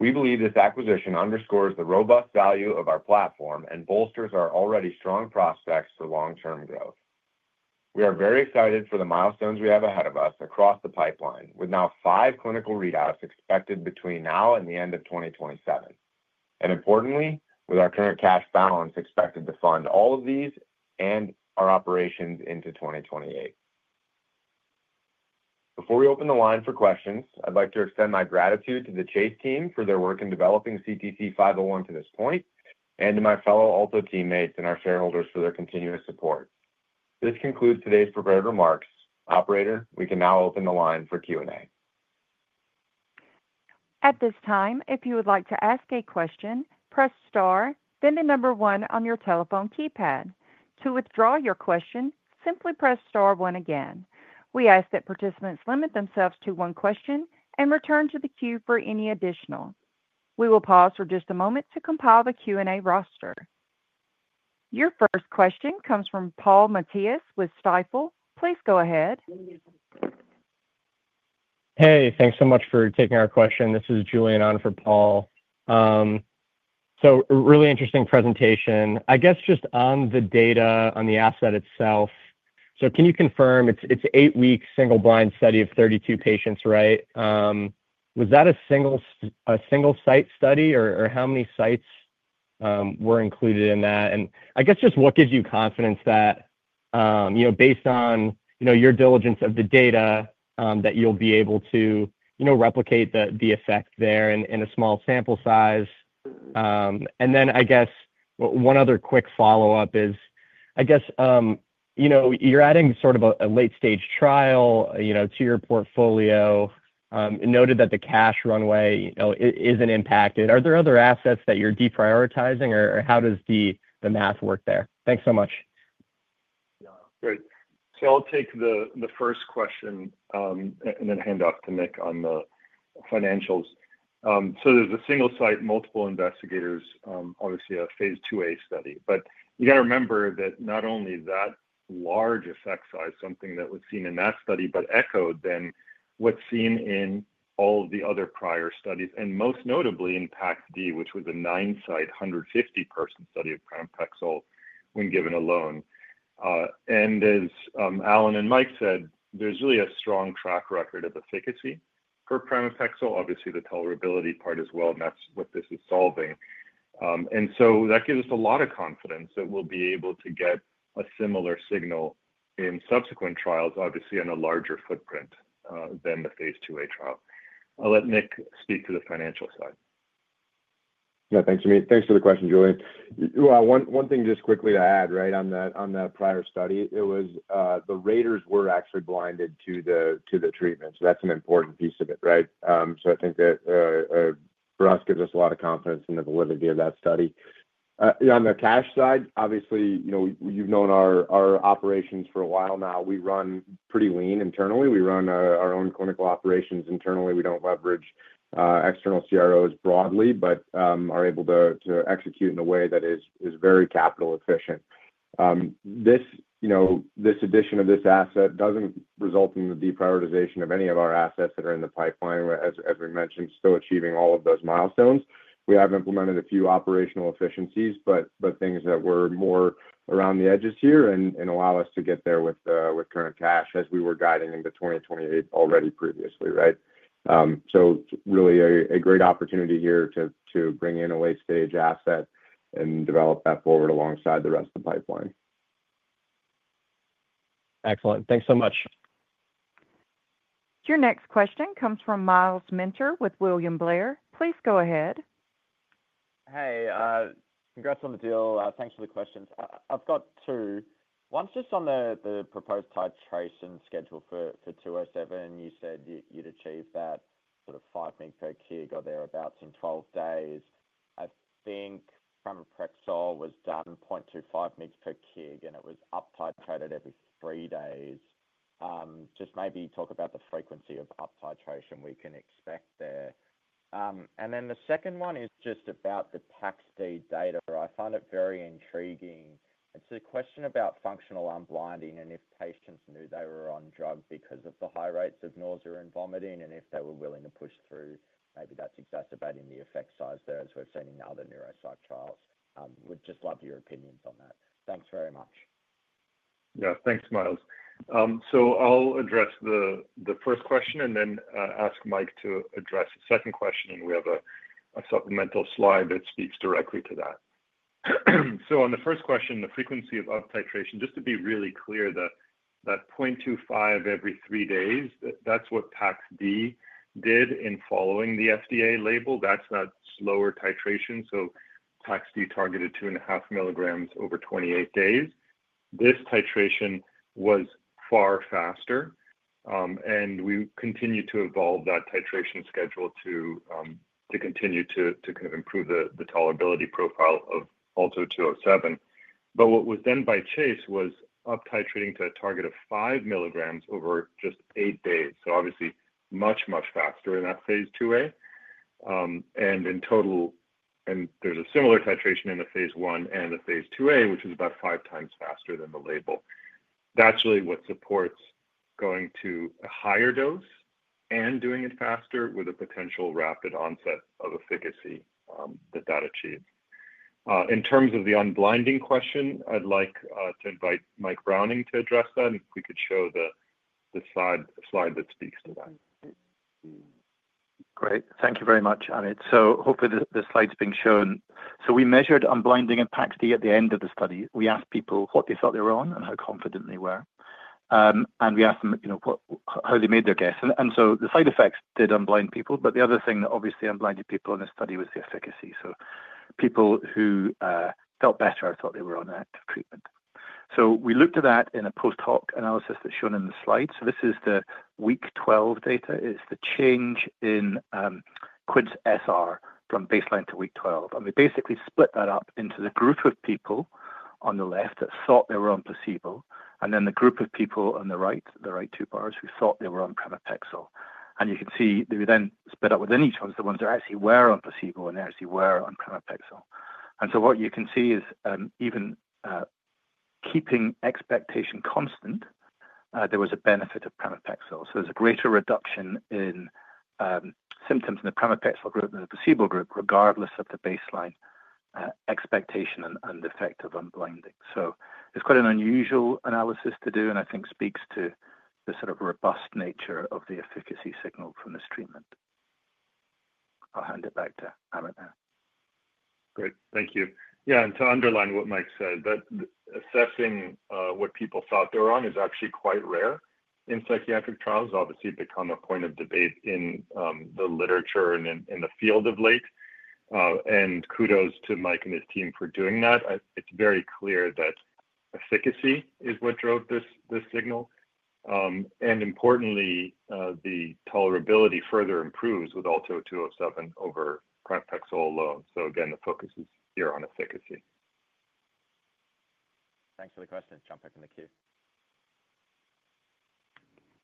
Speaker 5: We believe this acquisition underscores the robust value of our platform and bolsters our already strong prospects for long-term growth. We are very excited for the milestones we have ahead of us across the pipeline, with now five clinical readouts expected between now and the end of 2027. Importantly, with our current cash balance expected to fund all of these and our operations into 2028. Before we open the line for questions, I'd like to extend my gratitude to the Chase team for their work in developing CTC-501 to this point, and to my fellow Alto teammates and our shareholders for their continuous support. This concludes today's prepared remarks. Operator, we can now open the line for Q&A.
Speaker 1: At this time, if you would like to ask a question, press star, then the number one on your telephone keypad. To withdraw your question, simply press star one again. We ask that participants limit themselves to one question and return to the queue for any additional. We will pause for just a moment to compile the Q&A roster. Your first question comes from Paul Matteis with Stifel. Please go ahead. Hey, thanks so much for taking our question. This is Julianne for Paul. Really interesting presentation. I guess just on the data, on the asset itself. Can you confirm it's an eight-week single-blind study of 32 patients, right? Was that a single-site study, or how many sites were included in that? I guess just what gives you confidence that based on your diligence of the data that you'll be able to replicate the effect there in a small sample size? I guess one other quick follow-up is, I guess you're adding sort of a late-stage trial to your portfolio. You noted that the cash runway is not impacted. Are there other assets that you are deprioritizing, or how does the math work there? Thanks so much.
Speaker 2: Great. I will take the first question and then hand off to Nick on the financials. There is a single-site, multiple investigators, obviously a phase IIa study. You have to remember that not only that large effect size, something that was seen in that study, but echoed then what is seen in all of the other prior studies, and most notably in PAX-D, which was a nine-site, 150-person study of pramipexole when given alone. As Alan and Mike said, there is really a strong track record of efficacy for pramipexole. Obviously, the tolerability part as well, and that is what this is solving. That gives us a lot of confidence that we'll be able to get a similar signal in subsequent trials, obviously on a larger footprint than the phase IIa trial. I'll let Nick speak to the financial side.
Speaker 5: Yeah, thanks, Amit. Thanks for the question, Julian. One thing just quickly to add, right, on that prior study, the raters were actually blinded to the treatment. That's an important piece of it, right? I think that for us, it gives us a lot of confidence in the validity of that study. On the cash side, obviously, you've known our operations for a while now. We run pretty lean internally. We run our own clinical operations internally. We don't leverage external CROs broadly, but are able to execute in a way that is very capital efficient. This addition of this asset doesn't result in the deprioritization of any of our assets that are in the pipeline. As we mentioned, still achieving all of those milestones. We have implemented a few operational efficiencies, but things that were more around the edges here and allow us to get there with current cash as we were guiding into 2028 already previously, right? Really a great opportunity here to bring in a late-stage asset and develop that forward alongside the rest of the pipeline. Excellent. Thanks so much.
Speaker 1: Your next question comes from Myles Minter with William Blair. Please go ahead.
Speaker 6: Hey, congrats on the deal. Thanks for the questions. I've got two. One's just on the proposed titration schedule for ALTO-207. You said you'd achieve that sort of 5 mg per kg or thereabouts in 12 days. I think pramipexole was done 0.25 mg per kg, and it was up titrated every three days. Just maybe talk about the frequency of up titration we can expect there. The second one is just about the PAX-D data. I find it very intriguing. It's a question about functional unblinding and if patients knew they were on drugs because of the high rates of nausea and vomiting and if they were willing to push through. Maybe that's exacerbating the effect size there as we've seen in other neuropsych trials. We'd just love your opinions on that. Thanks very much.
Speaker 2: Yeah, thanks, Myles. I'll address the first question and then ask Mike to address the second question, and we have a supplemental slide that speaks directly to that. On the first question, the frequency of up titration, just to be really clear, that 0.25 every three days, that's what PAX-D did in following the FDA label. That's that slower titration. PAX-D targeted 2.5 mg over 28 days. This titration was far faster, and we continued to evolve that titration schedule to continue to kind of improve the tolerability profile of ALTO-207. What was done by Chase was up titrating to a target of 5 mg over just eight days. Obviously, much, much faster in that phase IIa. In total, there's a similar titration in the phase I and the phase IIa, which is about five times faster than the label. That's really what supports going to a higher dose and doing it faster with a potential rapid onset of efficacy that that achieves. In terms of the unblinding question, I'd like to invite Michael Browning to address that, and if we could show the slide that speaks to that.
Speaker 3: Great. Thank you very much, Amit. Hopefully, the slide's being shown. We measured unblinding in PAX-D at the end of the study. We asked people what they thought they were on and how confident they were. We asked them how they made their guess. The side effects did unblind people, but the other thing that obviously unblinded people in this study was the efficacy. People who felt better thought they were on active treatment. We looked at that in a post-hoc analysis that's shown in the slide. This is the week 12 data. It's the change in QIDS-SR from baseline to week 12. We basically split that up into the group of people on the left that thought they were on placebo, and then the group of people on the right, the right two bars, who thought they were on pramipexole. You can see they were then split up within each one as the ones that actually were on placebo and they actually were on pramipexole. What you can see is even keeping expectation constant, there was a benefit of pramipexole. There is a greater reduction in symptoms in the pramipexole group than the placebo group, regardless of the baseline expectation and effect of unblinding. It is quite an unusual analysis to do, and I think speaks to the sort of robust nature of the efficacy signal from this treatment. I'll hand it back to Amit now.
Speaker 2: Great. Thank you. Yeah, and to underline what Mike said, assessing what people thought they were on is actually quite rare in psychiatric trials. Obviously, it became a point of debate in the literature and in the field of late. Kudos to Mike and his team for doing that. It's very clear that efficacy is what drove this signal. Importantly, the tolerability further improves with ALTO-207 over pramipexole alone. Again, the focus is here on efficacy.
Speaker 6: Thanks for the question. Jump back in the queue.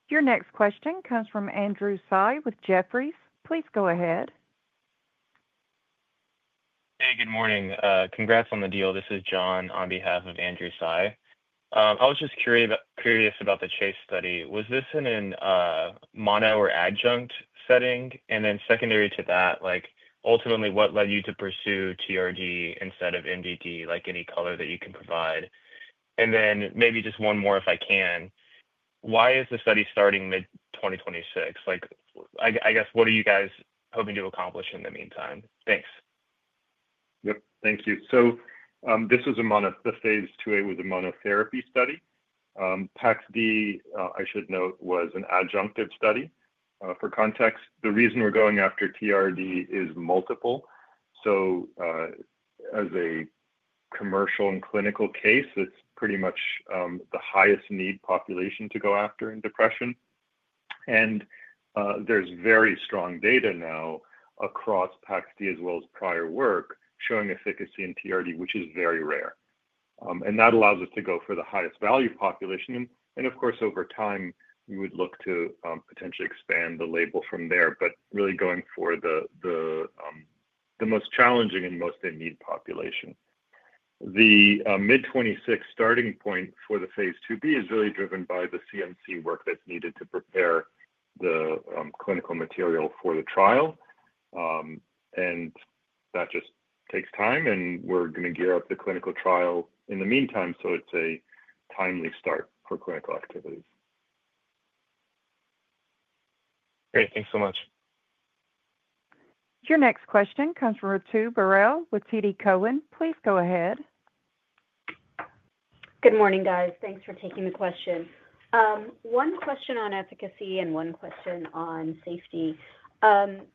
Speaker 1: Your next question comes from Andrew Tsai with Jefferies. Please go ahead. Hey, good morning. Congrats on the deal. This is John on behalf of Andrew Tsai. I was just curious about the Chase study. Was this in a mono or adjunct setting? And then secondary to that, ultimately, what led you to pursue TRD instead of MDD, like any color that you can provide? And then maybe just one more if I can. Why is the study starting mid-2026? I guess, what are you guys hoping to accomplish in the meantime? Thanks.
Speaker 2: Yep. Thank you. This was a mono. The phase IIa was a monotherapy study. PAX-D, I should note, was an adjunctive study. For context, the reason we're going after TRD is multiple. As a commercial and clinical case, it's pretty much the highest need population to go after in depression. There is very strong data now across PAX-D as well as prior work showing efficacy in TRD, which is very rare. That allows us to go for the highest value population. Of course, over time, we would look to potentially expand the label from there, but really going for the most challenging and most in need population. The mid-2026 starting point for the phase IIb is really driven by the CMC work that's needed to prepare the clinical material for the trial. That just takes time, and we're going to gear up the clinical trial in the meantime, so it's a timely start for clinical activities. Great. Thanks so much.
Speaker 1: Your next question comes from Ritu Baral with TD Cowen. Please go ahead.
Speaker 7: Good morning, guys. Thanks for taking the question. One question on efficacy and one question on safety. Amit,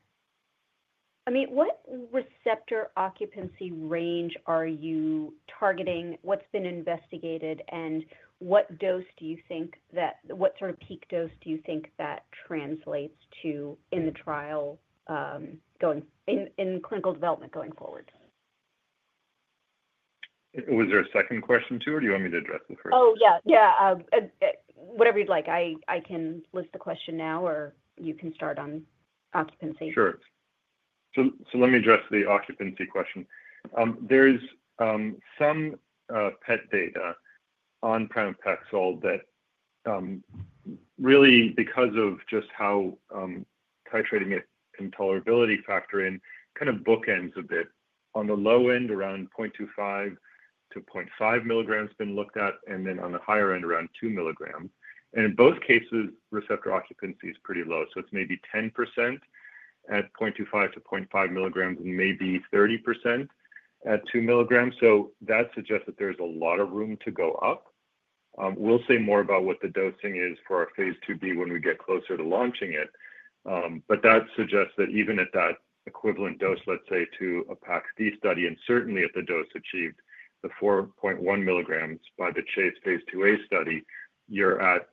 Speaker 7: what receptor occupancy range are you targeting? What's been investigated, and what dose do you think that, what sort of peak dose do you think that translates to in the trial in clinical development going forward?
Speaker 2: Was there a second question too, or do you want me to address the first?
Speaker 7: Oh, yeah. Yeah. Whatever you'd like. I can list the question now, or you can start on occupancy.
Speaker 2: Sure. Let me address the occupancy question. There's some PET data on pramipexole that really, because of just how titrating it and tolerability factor in, kind of bookends a bit. On the low end, around 0.25 mg-0.5 mg have been looked at, and then on the higher end, around 2 mg. In both cases, receptor occupancy is pretty low. It's maybe 10% at 0.25 mg-0.5 mg and maybe 30% at 2 mg. That suggests that there's a lot of room to go up. We'll say more about what the dosing is for our phase IIb when we get closer to launching it. That suggests that even at that equivalent dose, let's say, to a PAX-D study, and certainly at the dose achieved, the 4.1 mg by the Chase phase IIa study, you're at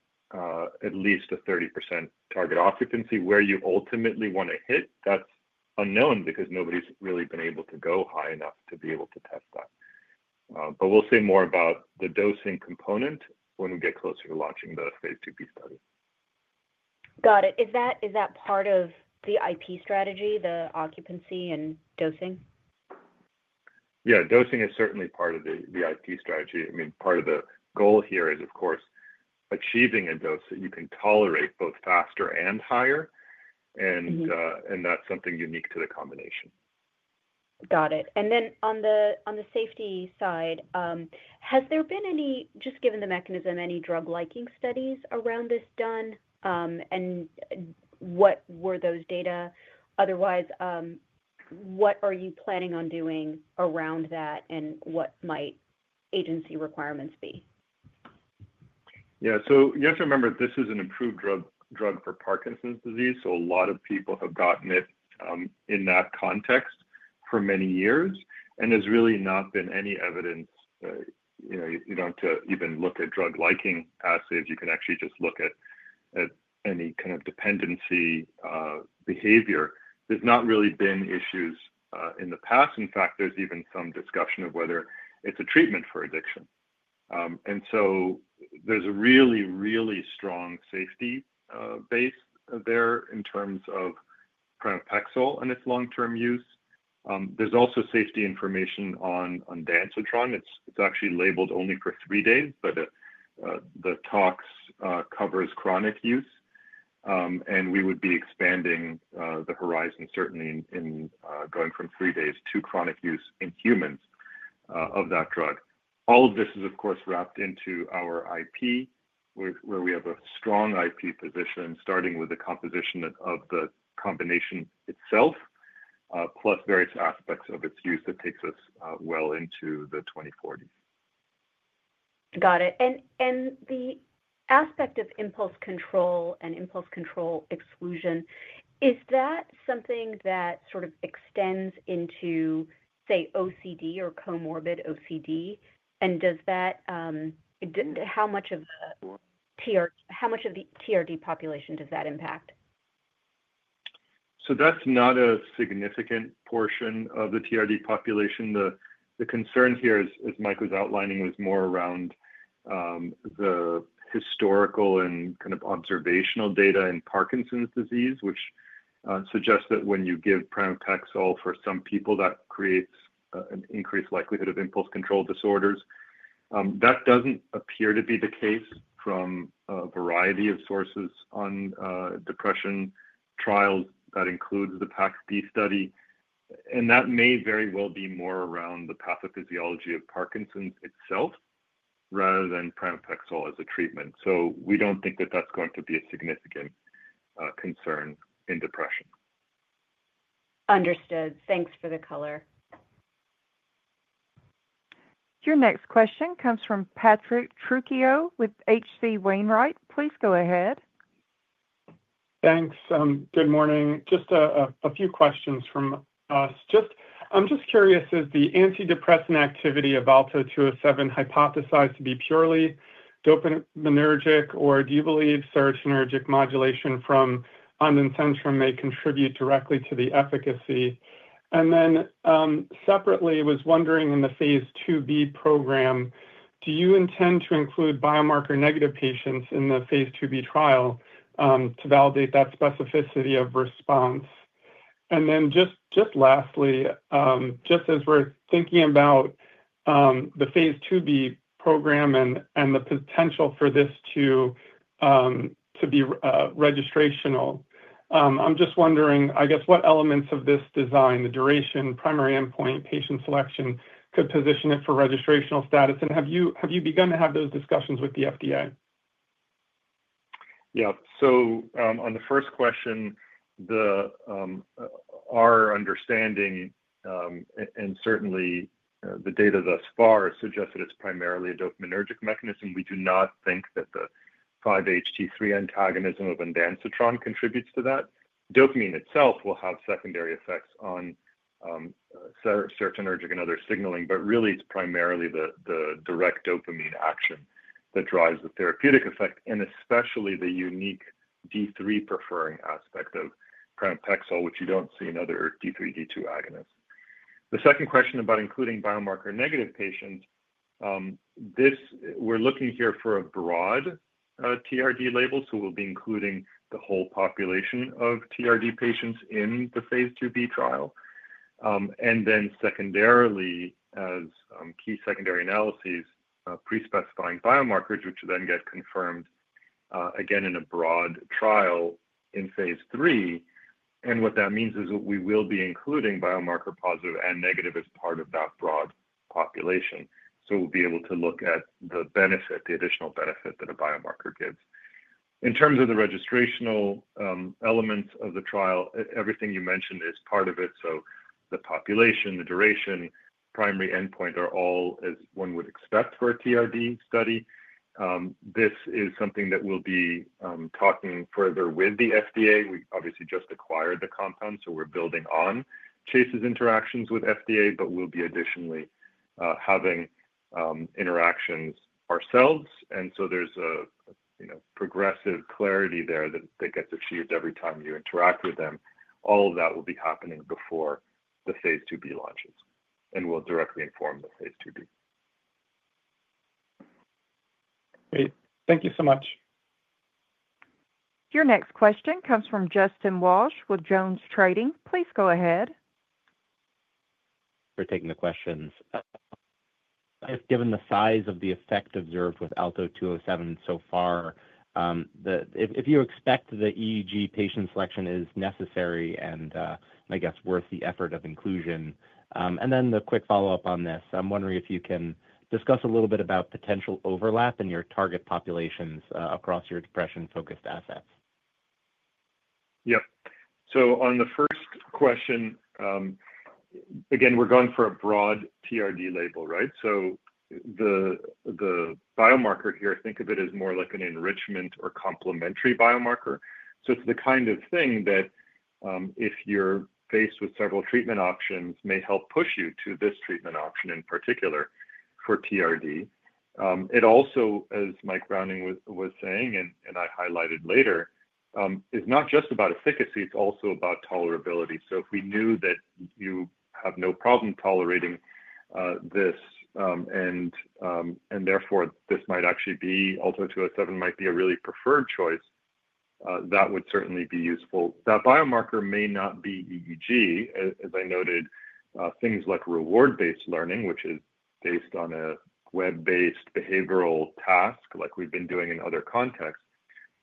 Speaker 2: at least a 30% target occupancy where you ultimately want to hit. That's unknown because nobody's really been able to go high enough to be able to test that. We'll say more about the dosing component when we get closer to launching the phase IIb study.
Speaker 7: Got it. Is that part of the IP strategy, the occupancy and dosing?
Speaker 2: Yeah. Dosing is certainly part of the IP strategy. I mean, part of the goal here is, of course, achieving a dose that you can tolerate both faster and higher. And that's something unique to the combination.
Speaker 7: Got it. On the safety side, has there been any, just given the mechanism, any drug liking studies around this done? And what were those data? Otherwise, what are you planning on doing around that, and what might agency requirements be?
Speaker 2: Yeah. You have to remember this is an approved drug for Parkinson's disease. A lot of people have gotten it in that context for many years. There's really not been any evidence. You do not have to even look at drug liking assays. You can actually just look at any kind of dependency behavior. There's not really been issues in the past. In fact, there's even some discussion of whether it's a treatment for addiction. There's a really, really strong safety base there in terms of pramipexole and its long-term use. There's also safety information on ondansetron. It's actually labeled only for three days, but the tox covers chronic use. We would be expanding the horizon, certainly in going from three days to chronic use in humans of that drug. All of this is, of course, wrapped into our IP, where we have a strong IP position, starting with the composition of the combination itself, plus various aspects of its use that takes us well into the 2040s.
Speaker 7: Got it. The aspect of impulse control and impulse control exclusion, is that something that sort of extends into, say, OCD or comorbid OCD? How much of the TRD population does that impact?
Speaker 2: That is not a significant portion of the TRD population. The concern here, as Mike was outlining, was more around the historical and kind of observational data in Parkinson's disease, which suggests that when you give pramipexole for some people, itt creates an increased likelihood of impulse control disorders. That does not appear to be the case from a variety of sources on depression trials that includes the PAX-D study. That may very well be more around the pathophysiology of Parkinson's itself rather than pramipexole as a treatment. We do not think that is going to be a significant concern in depression.
Speaker 7: Understood. Thanks for the color.
Speaker 1: Your next question comes from Patrick Tru with H.C. Wainwright. Please go ahead.
Speaker 8: Thanks. Good morning. Just a few questions from us. I am just curious, is the antidepressant activity of ALTO-207 hypothesized to be purely dopaminergic, or do you believe serotonergic modulation from ondansetron may contribute directly to the efficacy? Then separately, I was wondering in the phase 2IIb program, do you intend to include biomarker-negative patients in the phase IIb trial to validate that specificity of response? Lastly, just as we're thinking about the phase IIb program and the potential for this to be registrational, I'm just wondering, I guess, what elements of this design, the duration, primary endpoint, patient selection, could position it for registrational status? Have you begun to have those discussions with the FDA?
Speaker 2: Yeah. On the first question, our understanding, and certainly the data thus far, suggests that it's primarily a dopaminergic mechanism. We do not think that the 5-HT3 antagonism of ondansetron contributes to that. Dopamine itself will have secondary effects on serotonergic and other signaling, but really, it's primarily the direct dopamine action that drives the therapeutic effect, and especially the unique D3-preferring aspect of pramipexole, which you don't see in other D3/D2 agonists. The second question about including biomarker-negative patients, we're looking here for a broad TRD label. We will be including the whole population of TRD patients in the phase IIb trial. Then secondarily, as key secondary analyses, pre-specifying biomarkers, which will then get confirmed again in a broad trial in phase III. What that means is we will be including biomarker-positive and negative as part of that broad population. We will be able to look at the benefit, the additional benefit that a biomarker gives. In terms of the registrational elements of the trial, everything you mentioned is part of it. The population, the duration, primary endpoint are all, as one would expect for a TRD study. This is something that we'll be talking further with the FDA. We obviously just acquired the compound, so we're building on Chase's interactions with FDA, but we'll be additionally having interactions ourselves. There is a progressive clarity there that gets achieved every time you interact with them. All of that will be happening before the phase IIb launches, and will directly inform the phase IIb.
Speaker 8: Great. Thank you so much.
Speaker 1: Your next question comes from Justin Walsh with JonesTrading. Please go ahead.
Speaker 9: For taking the questions. I guess, given the size of the effect observed with ALTO-207 so far, if you expect the EEG patient selection is necessary and, I guess, worth the effort of inclusion. And then the quick follow-up on this. I'm wondering if you can discuss a little bit about potential overlap in your target populations across your depression-focused assets.
Speaker 2: Yep. On the first question, again, we're going for a broad TRD label, right? The biomarker here, think of it as more like an enrichment or complementary biomarker. It's the kind of thing that, if you're faced with several treatment options, may help push you to this treatment option in particular for TRD. It also, as Mike Browning was saying, and I highlighted later, is not just about efficacy. It's also about tolerability. If we knew that you have no problem tolerating this and therefore this might actually be ALTO-207, might be a really preferred choice, that would certainly be useful. That biomarker may not be EEG. As I noted, things like reward-based learning, which is based on a web-based behavioral task like we've been doing in other contexts,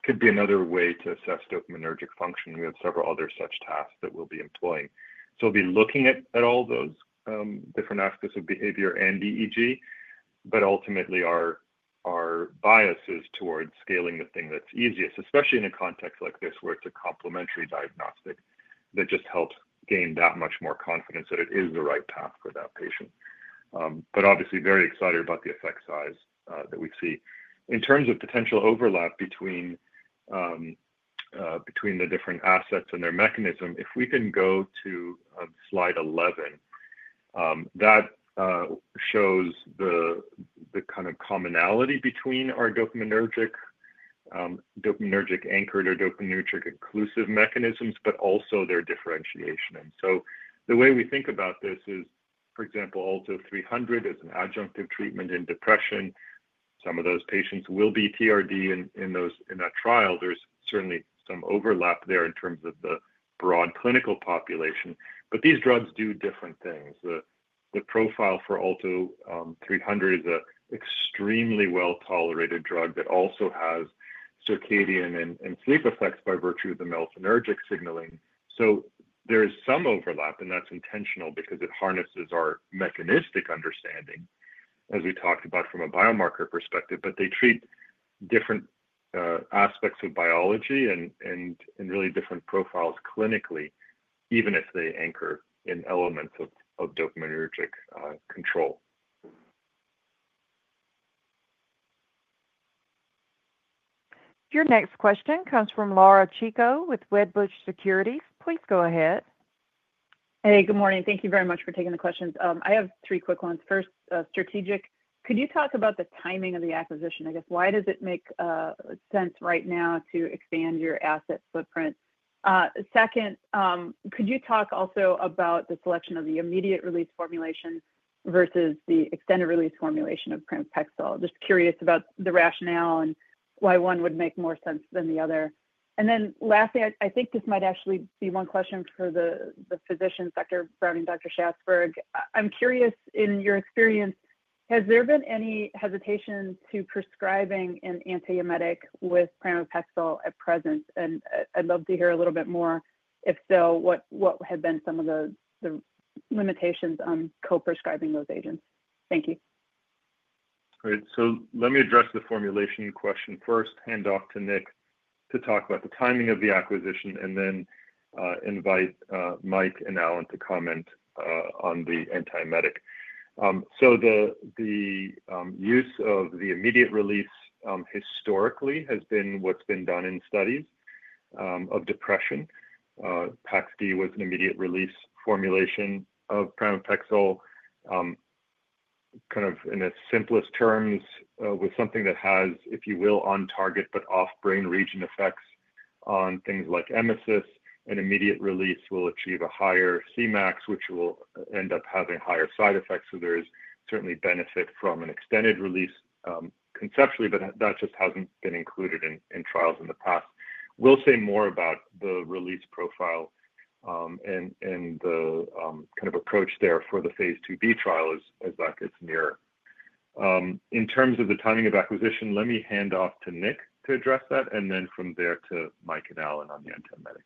Speaker 2: could be another way to assess dopaminergic function. We have several other such tasks that we'll be employing. We will be looking at all those different aspects of behavior and EEG, but ultimately, our bias is towards scaling the thing that's easiest, especially in a context like this where it's a complementary diagnostic that just helps gain that much more confidence that it is the right path for that patient. Obviously, very excited about the effect size that we see. In terms of potential overlap between the different assets and their mechanism, if we can go to slide 11, that shows the kind of commonality between our dopaminergic anchored or dopaminergic inclusive mechanisms, but also their differentiation. The way we think about this is, for example, ALTO-300 as an adjunctive treatment in depression. Some of those patients will be TRD in that trial. There is certainly some overlap there in terms of the broad clinical population. These drugs do different things. The profile for ALTO-300 is an extremely well-tolerated drug that also has circadian and sleep effects by virtue of the melatonergic signaling. There is some overlap, and that is intentional because it harnesses our mechanistic understanding, as we talked about from a biomarker perspective, but they treat different aspects of biology and really different profiles clinically, even if they anchor in elements of dopaminergic control.
Speaker 1: Your next question comes from Laura Chico with Wedbush Securities. Please go ahead.
Speaker 10: Hey, good morning. Thank you very much for taking the questions. I have three quick ones. First, strategic. Could you talk about the timing of the acquisition? I guess, why does it make sense right now to expand your asset footprint? Second, could you talk also about the selection of the immediate-release formulation versus the extended-release formulation of pramipexole? Just curious about the rationale and why one would make more sense than the other. Lastly, I think this might actually be one question for the physicians, Dr. Browning and Dr. Schatzberg. I'm curious, in your experience, has there been any hesitation to prescribing an antiemetic with pramipexole at present? I'd love to hear a little bit more. If so, what have been some of the limitations on co-prescribing those agents? Thank you.
Speaker 2: Great. Let me address the formulation question first, hand off to Nick to talk about the timing of the acquisition, and then invite Mike and Alan to comment on the antiemetic. The use of the immediate-release historically has been what's been done in studies of depression. PAX-D was an immediate-release formulation of pramipexole, kind of in its simplest terms, with something that has, if you will, on-target but off-brain region effects on things like emesis. Immediate-release will achieve a higher Cmax, which will end up having higher side effects. There is certainly benefit from an extended-release conceptually, but that just hasn't been included in trials in the past. We'll say more about the release profile and the kind of approach there for the phase IIb trial as that gets nearer. In terms of the timing of acquisition, let me hand off to Nick to address that, and then from there to Mike and Alan on the antiemetic.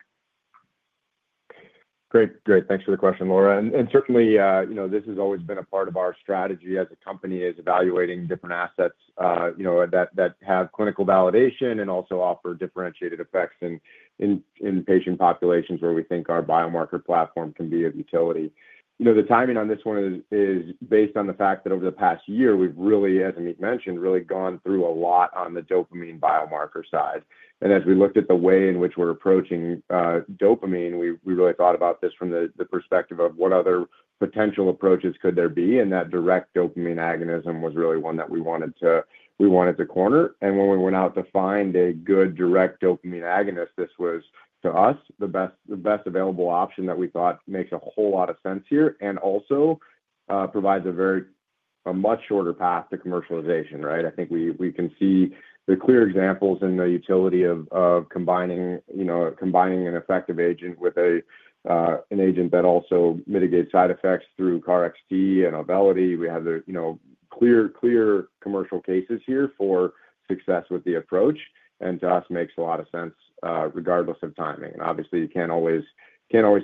Speaker 2: Great.
Speaker 5: Great. Thanks for the question, Laura. Certainly, this has always been a part of our strategy as a company is evaluating different assets that have clinical validation and also offer differentiated effects in patient populations where we think our biomarker platform can be of utility. The timing on this one is based on the fact that over the past year, we've really, as Amit mentioned, really gone through a lot on the dopamine biomarker side. As we looked at the way in which we're approaching dopamine, we really thought about this from the perspective of what other potential approaches could there be. That direct dopamine agonism was really one that we wanted to corner. When we went out to find a good direct dopamine agonist, this was, to us, the best available option that we thought makes a whole lot of sense here and also provides a much shorter path to commercialization, right? I think we can see the clear examples and the utility of combining an effective agent with an agent that also mitigates side effects through Cobenfy and Auvelity. We have clear commercial cases here for success with the approach. To us, makes a lot of sense regardless of timing. Obviously, you can't always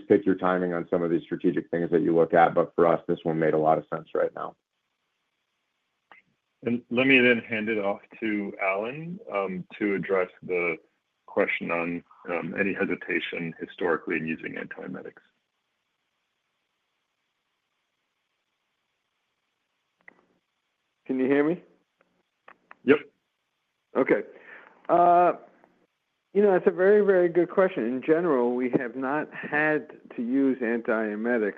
Speaker 5: pick your timing on some of these strategic things that you look at, but for us, this one made a lot of sense right now.
Speaker 2: Let me then hand it off to Alan to address the question on any hesitation historically in using antiemetics.
Speaker 4: Can you hear me?
Speaker 2: Yep.
Speaker 4: Okay. It's a very, very good question. In general, we have not had to use antiemetics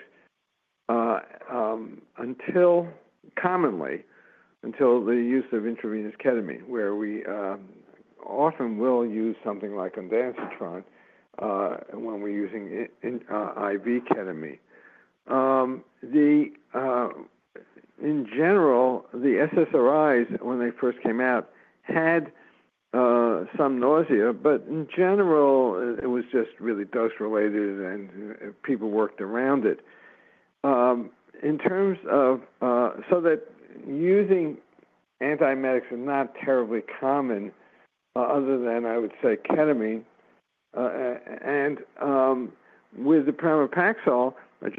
Speaker 4: commonly until the use of intravenous ketamine, where we often will use something like ondansetron when we're using IV ketamine. In general, the SSRIs, when they first came out, had some nausea, but in general, it was just really dose-related, and people worked around it. In terms of using antiemetics, it is not terribly common other than, I would say, ketamine. With the pramipexole, I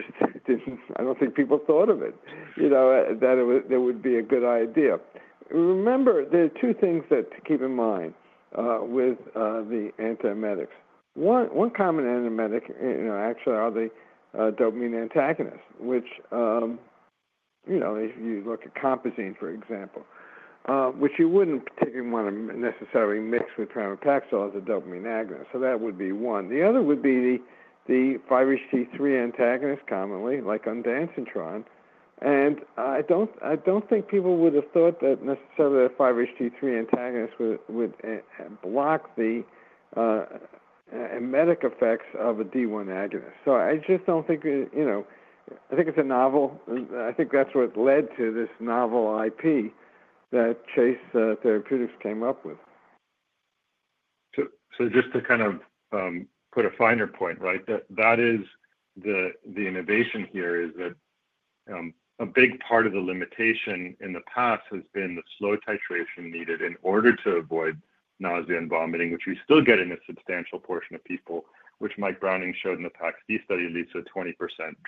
Speaker 4: do not think people thought of it that it would be a good idea. Remember, there are two things to keep in mind with the antiemetics. One common antiemetic, actually, are the dopamine antagonists, which if you look at Compazine, for example, which you would not particularly want to necessarily mix with pramipexole as a dopamine agonist. That would be one. The other would be the 5-HT3 antagonist commonly, like ondansetron. I don't think people would have thought that necessarily a 5-HT3 antagonist would block the emetic effects of a D1 agonist. I just don't think, I think it's a novel. I think that's what led to this novel IP that Chase Therapeutics came up with.
Speaker 2: Just to kind of put a finer point, right, that is the innovation here is that a big part of the limitation in the past has been the slow titration needed in order to avoid nausea and vomiting, which we still get in a substantial portion of people, which Michael Browning showed in the PAX-D study, at least a 20%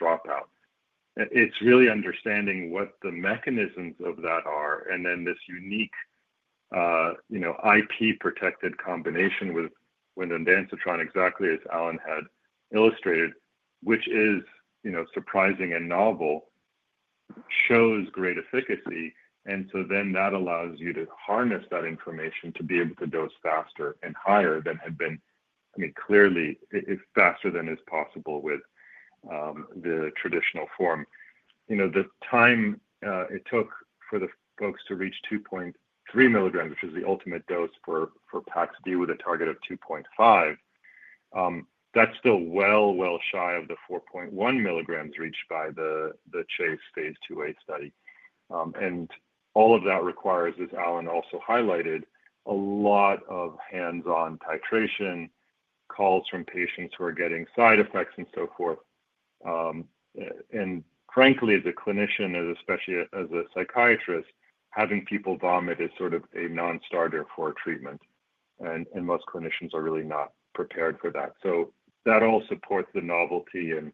Speaker 2: dropout. It's really understanding what the mechanisms of that are. This unique IP-protected combination with ondansetron exactly as Alan had illustrated, which is surprising and novel, shows great efficacy. That allows you to harness that information to be able to dose faster and higher than had been, I mean, clearly faster than is possible with the traditional form. The time it took for the folks to reach 2.3 mg, which is the ultimate dose for PAX-D with a target of 2.5, is still well, well shy of the 4.1 mg reached by the Chase phase IIa study. All of that requires, as Alan also highlighted, a lot of hands-on titration, calls from patients who are getting side effects and so forth. Frankly, as a clinician, especially as a psychiatrist, having people vomit is sort of a non-starter for treatment. Most clinicians are really not prepared for that. That all supports the novelty and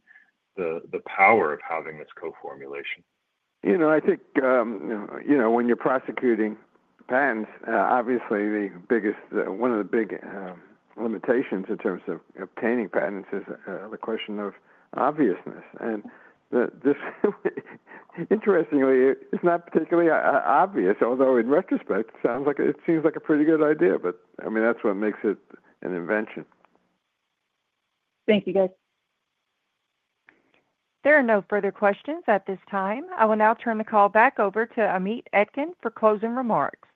Speaker 2: the power of having this co-formulation.
Speaker 4: I think when you're prosecuting patents, obviously, one of the big limitations in terms of obtaining patents is the question of obviousness. Interestingly, it's not particularly obvious, although in retrospect, it seems like a pretty good idea. I mean, that's what makes it an invention.
Speaker 10: Thank you, guys.
Speaker 1: There are no further questions at this time. I will now turn the call back over to Amit Etkin for closing remarks.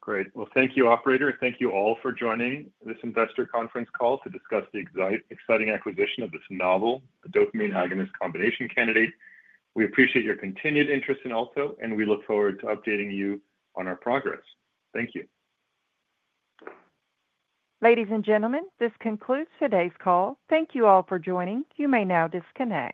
Speaker 2: Great. Thank you, operator. Thank you all for joining this investor conference call to discuss the exciting acquisition of this novel, the dopamine agonist combination candidate. We appreciate your continued interest in Alto, and we look forward to updating you on our progress. Thank you.
Speaker 1: Ladies and gentlemen, this concludes today's call. Thank you all for joining. You may now disconnect.